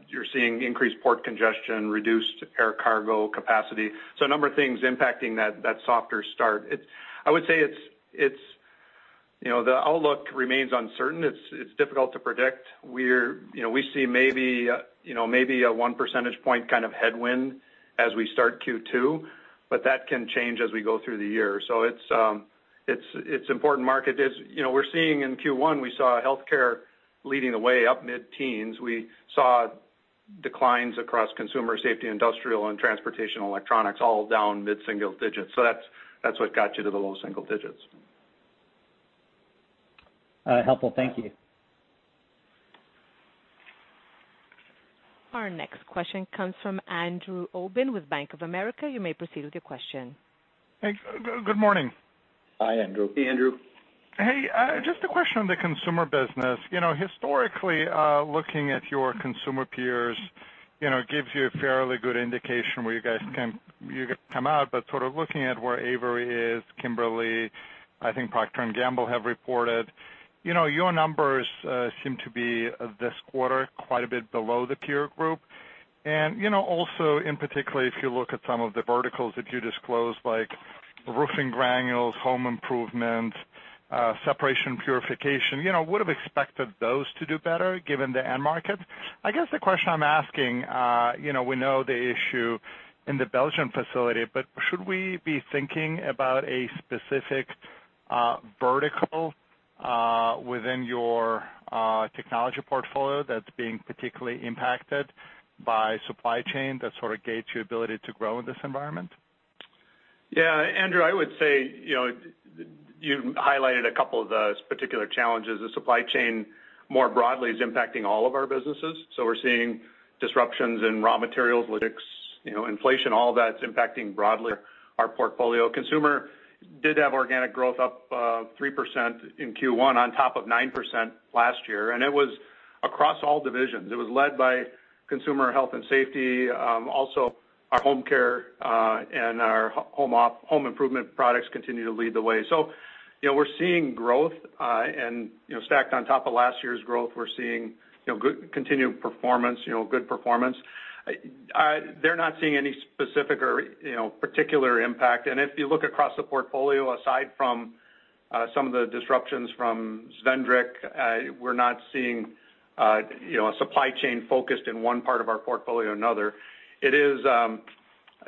You're seeing increased port congestion, reduced air cargo capacity. A number of things impacting that softer start. I would say it's the outlook remains uncertain. It's difficult to predict. We're, you know, we see maybe, you know, maybe a 1 percentage point kind of headwind as we start Q2, but that can change as we go through the year. It's an important market. You know, we're seeing in Q1, we saw Health Care leading the way up mid-teens. We saw declines across Consumer, Safety & Industrial, and Transportation & Electronics, all down mid-single digits. That's what got you to the low single digits. Helpful. Thank you. Our next question comes from Andrew Obin with Bank of America. You may proceed with your question. Thanks. Good morning. Hi, Andrew. Hey, Andrew. Just a question on the Consumer business. You know, historically, looking at your consumer peers, you know, gives you a fairly good indication where you guys come out, but sort of looking at where Avery Dennison is, Kimberly-Clark, I think Procter & Gamble have reported, you know, your numbers seem to be, this quarter, quite a bit below the peer group. You know, also in particular, if you look at some of the verticals that you disclosed, like roofing granules, home improvement, separation purification, you know, would have expected those to do better given the end market. I guess the question I'm asking, you know, we know the issue in the Belgian facility, but should we be thinking about a specific vertical within your technology portfolio that's being particularly impacted by supply chain that sort of gates your ability to grow in this environment? Yeah. Andrew, I would say, you know, you highlighted a couple of those particular challenges. The supply chain, more broadly, is impacting all of our businesses. We're seeing disruptions in raw materials, logistics, you know, inflation, all that's impacting broadly our portfolio. Consumer did have organic growth up 3% in Q1 on top of 9% last year, and it was across all divisions. It was led by Consumer Health and Safety, also our Home Care, and our Home Improvement products continue to lead the way. We're seeing growth, and, you know, stacked on top of last year's growth, we're seeing, you know, good continued performance, you know, good performance. They're not seeing any specific or, you know, particular impact. If you look across the portfolio, aside from some of the disruptions from Zwijndrecht, we're not seeing you know, a supply chain focused in one part of our portfolio or another. It is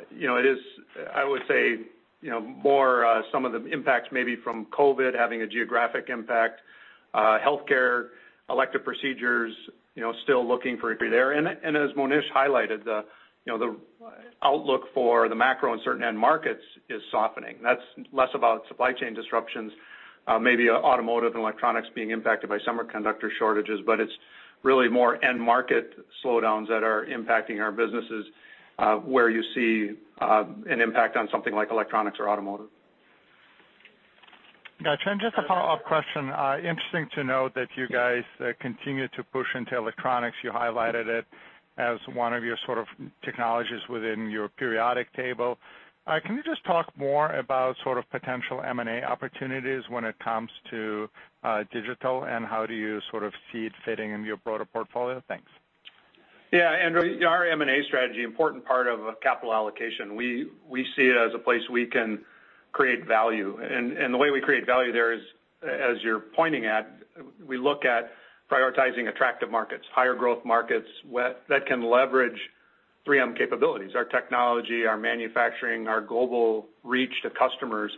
you know, it is, I would say, you know, more some of the impacts maybe from COVID having a geographic impact, healthcare, elective procedures, you know, still looking for there. As Monish highlighted, you know, the outlook for the macro and certain end markets is softening. That's less about supply chain disruptions, maybe automotive and electronics being impacted by semiconductor shortages, but it's really more end market slowdowns that are impacting our businesses, where you see an impact on something like electronics or automotive. Got you. Just a follow-up question. Interesting to note that you guys continue to push into electronics. You highlighted it as one of your sort of technologies within your periodic table. Can you just talk more about sort of potential M&A opportunities when it comes to, digital, and how do you sort of see it fitting in your broader portfolio? Thanks. Yeah, Andrew, our M&A strategy, important part of a capital allocation. We see it as a place we can create value. The way we create value there is, as you're pointing at, we look at prioritizing attractive markets, higher growth markets that can leverage 3M capabilities, our technology, our manufacturing, our global reach to customers.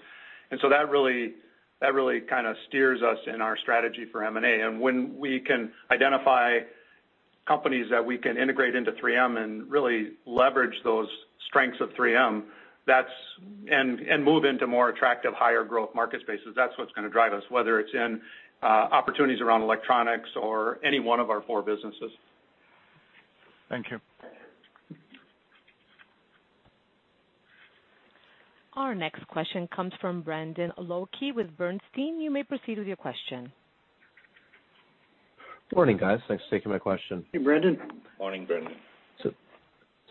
That really kind of steers us in our strategy for M&A. When we can identify companies that we can integrate into 3M and really leverage those strengths of 3M, that's and move into more attractive, higher growth market spaces, that's what's gonna drive us, whether it's in opportunities around electronics or any one of our four businesses. Thank you. Our next question comes from Brendan Luecke with Bernstein. You may proceed with your question. Good morning, guys. Thanks for taking my question. Hey, Brendan. Morning, Brendan.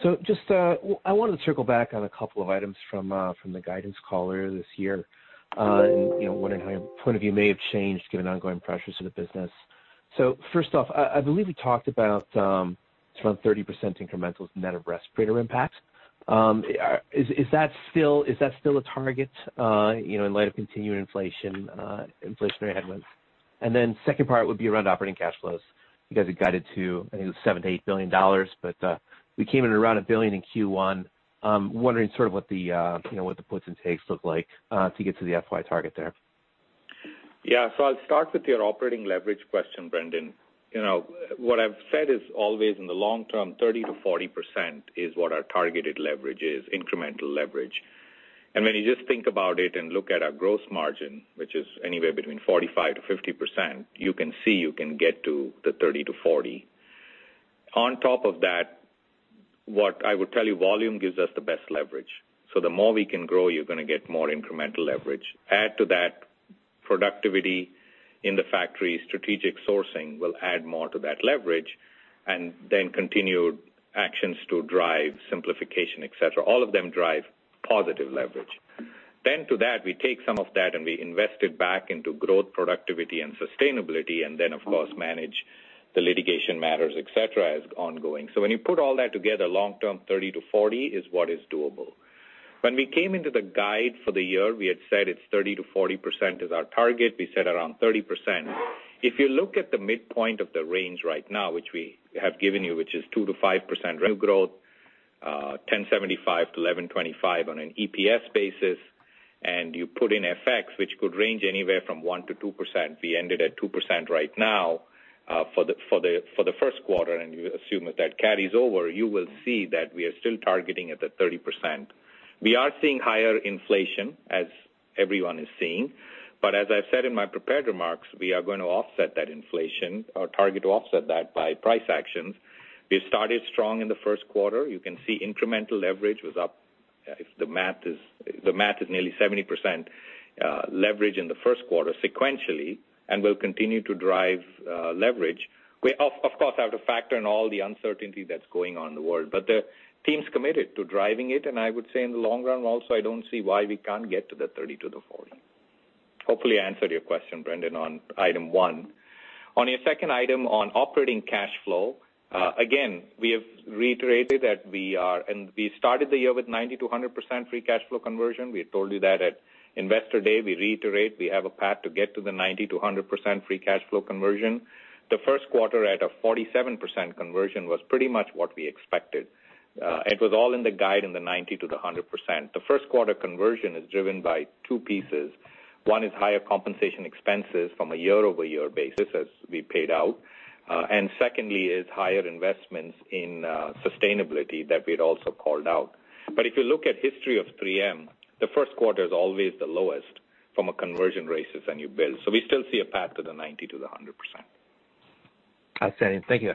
I wanted to circle back on a couple of items from the guidance call earlier this year, and you know, wondering how your point of view may have changed given ongoing pressures to the business. First off, I believe you talked about around 30% incremental net of respirator impact. Is that still a target, you know, in light of continuing inflation, inflationary headwinds? Second part would be around operating cash flows. You guys have guided to, I think it was $7 billion-$8 billion, but we came in around $1 billion in Q1. Wondering sort of what the puts and takes look like to get to the FY target there. Yeah. I'll start with your operating leverage question, Brendan. You know, what I've said is always in the long term, 30%-40% is what our targeted leverage is, incremental leverage. When you just think about it and look at our growth margin, which is anywhere between 45%-50%, you can see you can get to the 30%-40%. On top of that, what I would tell you, volume gives us the best leverage. The more we can grow, you're gonna get more incremental leverage. Add to that productivity in the factory, strategic sourcing will add more to that leverage, and then continued actions to drive simplification, et cetera. All of them drive positive leverage. To that, we take some of that and we invest it back into growth, productivity and sustainability, and then of course, manage the litigation matters, et cetera, as ongoing. When you put all that together, long-term, 30%-40% is what is doable. When we came into the guide for the year, we had said it's 30%-40% is our target. We said around 30%. If you look at the midpoint of the range right now, which we have given you, which is 2%-5% revenue growth, $10.75-$11.25 on an EPS basis, and you put in FX, which could range anywhere from 1%-2%, we ended at 2% right now, for the first quarter, and you assume that that carries over, you will see that we are still targeting at the 30%. We are seeing higher inflation as everyone is seeing. As I've said in my prepared remarks, we are going to offset that inflation, or target to offset that by price actions. We started strong in the first quarter. You can see incremental leverage was up. If the math is nearly 70% leverage in the first quarter sequentially, and we'll continue to drive leverage. We, of course, have to factor in all the uncertainty that's going on in the world, but the team's committed to driving it, and I would say in the long run also, I don't see why we can't get to the 30%-40%. Hopefully I answered your question, Brendan, on item one. On your second item on operating cash flow, again, we have reiterated that and we started the year with 90%-100% free cash flow conversion. We told you that at Investor Day. We reiterate we have a path to get to the 90%-100% free cash flow conversion. The first quarter at a 47% conversion was pretty much what we expected. It was all in the guide in the 90%-100%. The first quarter conversion is driven by two pieces. One is higher compensation expenses from a year-over-year basis as we paid out. Secondly is higher investments in sustainability that we'd also called out. If you look at history of 3M, the first quarter is always the lowest from a conversion basis, then you build. We still see a path to the 90%-100%. Outstanding. Thank you.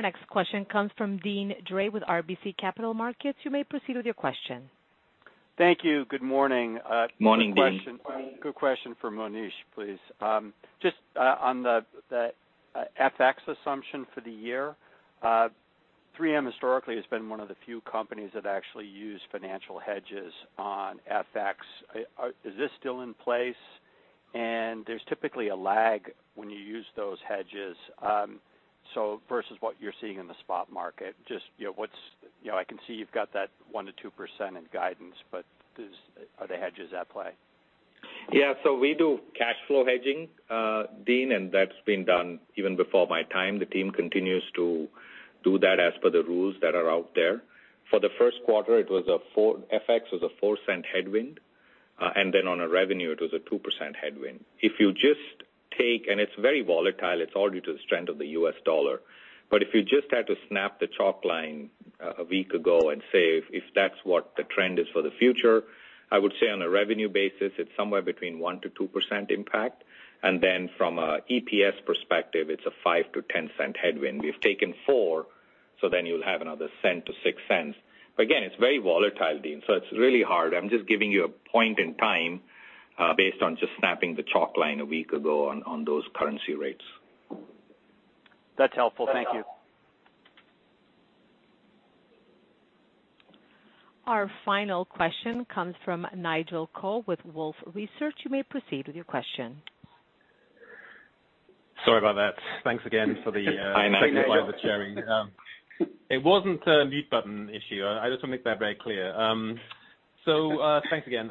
Our next question comes from Deane Dray with RBC Capital Markets. You may proceed with your question. Thank you. Good morning. Morning, Deane. Quick question for Monish, please. Just on the FX assumption for the year, 3M historically has been one of the few companies that actually use financial hedges on FX. Is this still in place? There's typically a lag when you use those hedges. Versus what you're seeing in the spot market, I can see you've got that 1%-2% in guidance, but are the hedges at play? Yeah. We do cash flow hedging, Deane, and that's been done even before my time. The team continues to do that as per the rules that are out there. For the first quarter, FX was a $0.04 headwind, and then on a revenue it was a 2% headwind. If you just take, and it's very volatile, it's all due to the strength of the U.S. dollar. But if you just had to snap the chalk line a week ago and say if that's what the trend is for the future, I would say on a revenue basis it's somewhere between 1%-2% impact. And then from a EPS perspective, it's a $0.05-$0.10 headwind. We've taken $0.04, so then you'll have another $0.01 to $0.06. But again, it's very volatile, Deane, so it's really hard. I'm just giving you a point in time, based on just snapping the chalk line a week ago on those currency rates. That's helpful. Thank you. Our final question comes from Nigel Coe with Wolfe Research. You may proceed with your question. Sorry about that. Thanks again for the, Hi, Nigel. technical sharing. It wasn't a mute button issue. I just want to make that very clear. Thanks again.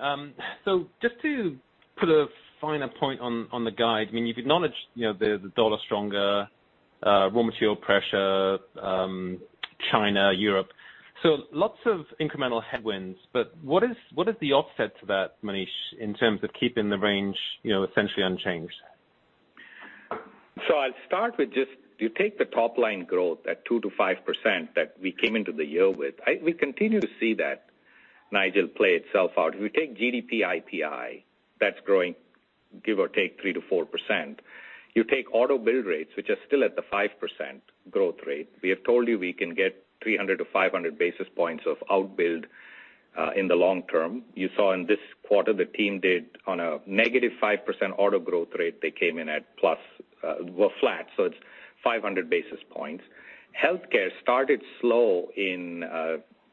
Just to put a finer point on the guide, I mean, you've acknowledged, you know, the dollar's stronger, raw material pressure, China, Europe, so lots of incremental headwinds. What is the offset to that, Monish, in terms of keeping the range, you know, essentially unchanged? I'll start with just you take the top line growth at 2%-5% that we came into the year with. We continue to see that, Nigel, play itself out. If you take GDP IPI, that's growing, give or take 3%-4%. You take auto build rates, which are still at the 5% growth rate. We have told you we can get 300-500 basis points of outbuild in the long term. You saw in this quarter the team did on a -5% auto growth rate, they came in at plus flat, so it's 500 basis points. Healthcare started slow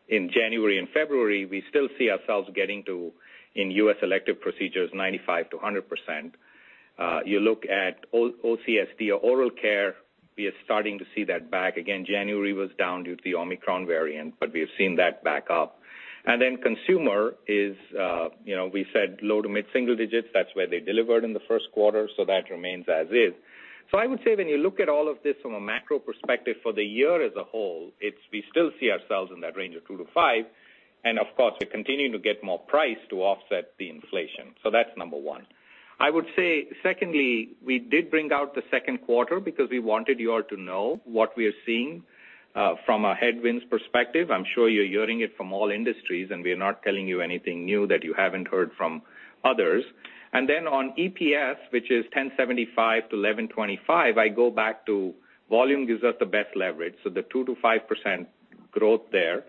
in January and February. We still see ourselves getting to, in U.S. elective procedures, 95%-100%. You look at OCSD or Oral Care, we are starting to see that back again. January was down due to the Omicron variant, but we've seen that back up. Consumer is, you know, we said low- to mid-single digits. That's where they delivered in the first quarter, so that remains as is. I would say when you look at all of this from a macro perspective for the year as a whole, it's we still see ourselves in that range of 2%-5%. Of course we're continuing to get more price to offset the inflation. That's number one. I would say secondly, we did bring out the second quarter because we wanted you all to know what we are seeing from a headwinds perspective. I'm sure you're hearing it from all industries, and we're not telling you anything new that you haven't heard from others. On EPS, which is $10.75-$11.25, I go back to volume gives us the best leverage. The 2%-5% growth there,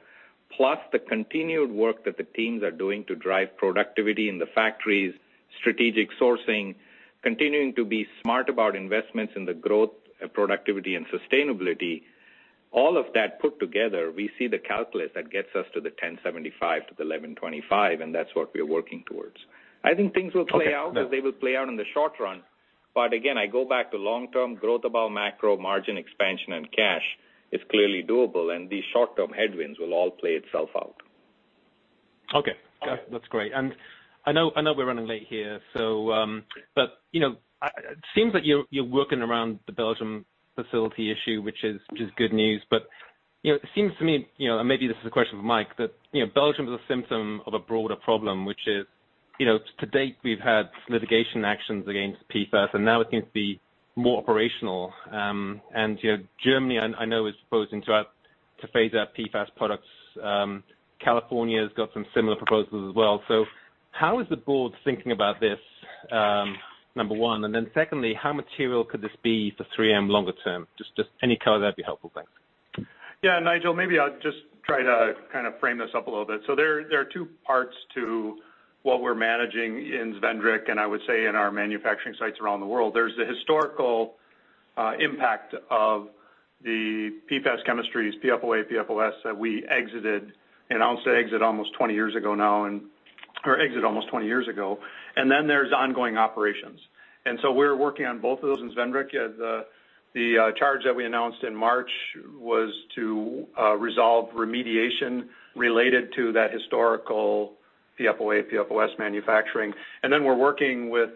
plus the continued work that the teams are doing to drive productivity in the factories, strategic sourcing, continuing to be smart about investments in the growth, productivity and sustainability, all of that put together, we see the calculus that gets us to the $10.75-$11.25, and that's what we're working towards. I think things will play out as they will play out in the short run, but again, I go back to long-term growth above macro margin expansion and cash is clearly doable, and these short-term headwinds will all play itself out. Okay. That's great. I know we're running late here, so but you know, it seems like you're working around the Belgium facility issue, which is good news. You know, it seems to me, you know, and maybe this is a question for Mike, that, you know, Belgium is a symptom of a broader problem, which is. You know, to date, we've had litigation actions against PFAS, and now it seems to be more operational. You know, Germany, I know is proposing to phase out PFAS products. California's got some similar proposals as well. How is the board thinking about this, number one? Then secondly, how material could this be for 3M longer term? Just any color, that'd be helpful. Thanks. Yeah, Nigel, maybe I'll just try to kind of frame this up a little bit. There are two parts to what we're managing in Zwijndrecht, and I would say in our manufacturing sites around the world. There's the historical impact of the PFAS chemistries, PFOA, PFOS, that we exited and announced the exit almost 20 years ago. Then there's ongoing operations. We're working on both of those in Zwijndrecht. The charge that we announced in March was to resolve remediation related to that historical PFOA, PFOS manufacturing. Then we're working with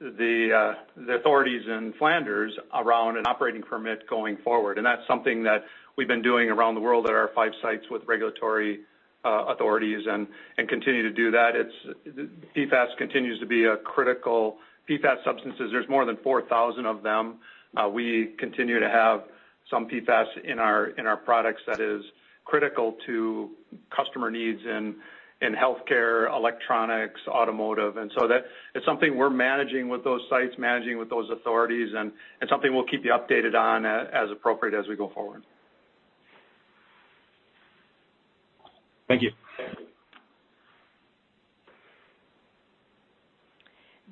the authorities in Flanders around an operating permit going forward. That's something that we've been doing around the world at our 5 sites with regulatory authorities and continue to do that. PFAS continues to be a critical PFAS substances. There's more than 4,000 of them. We continue to have some PFAS in our products that is critical to customer needs in healthcare, electronics, automotive. That is something we're managing with those sites, managing with those authorities, and something we'll keep you updated on as appropriate as we go forward. Thank you.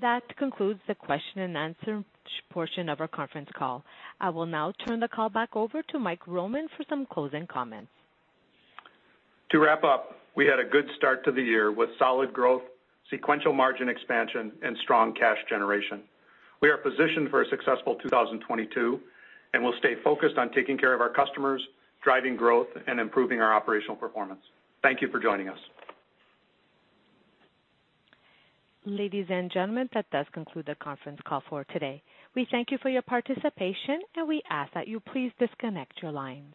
That concludes the question and answer portion of our conference call. I will now turn the call back over to Mike Roman for some closing comments. To wrap up, we had a good start to the year with solid growth, sequential margin expansion, and strong cash generation. We are positioned for a successful 2022, and we'll stay focused on taking care of our customers, driving growth, and improving our operational performance. Thank you for joining us. Ladies and gentlemen, that does conclude the conference call for today. We thank you for your participation, and we ask that you please disconnect your lines.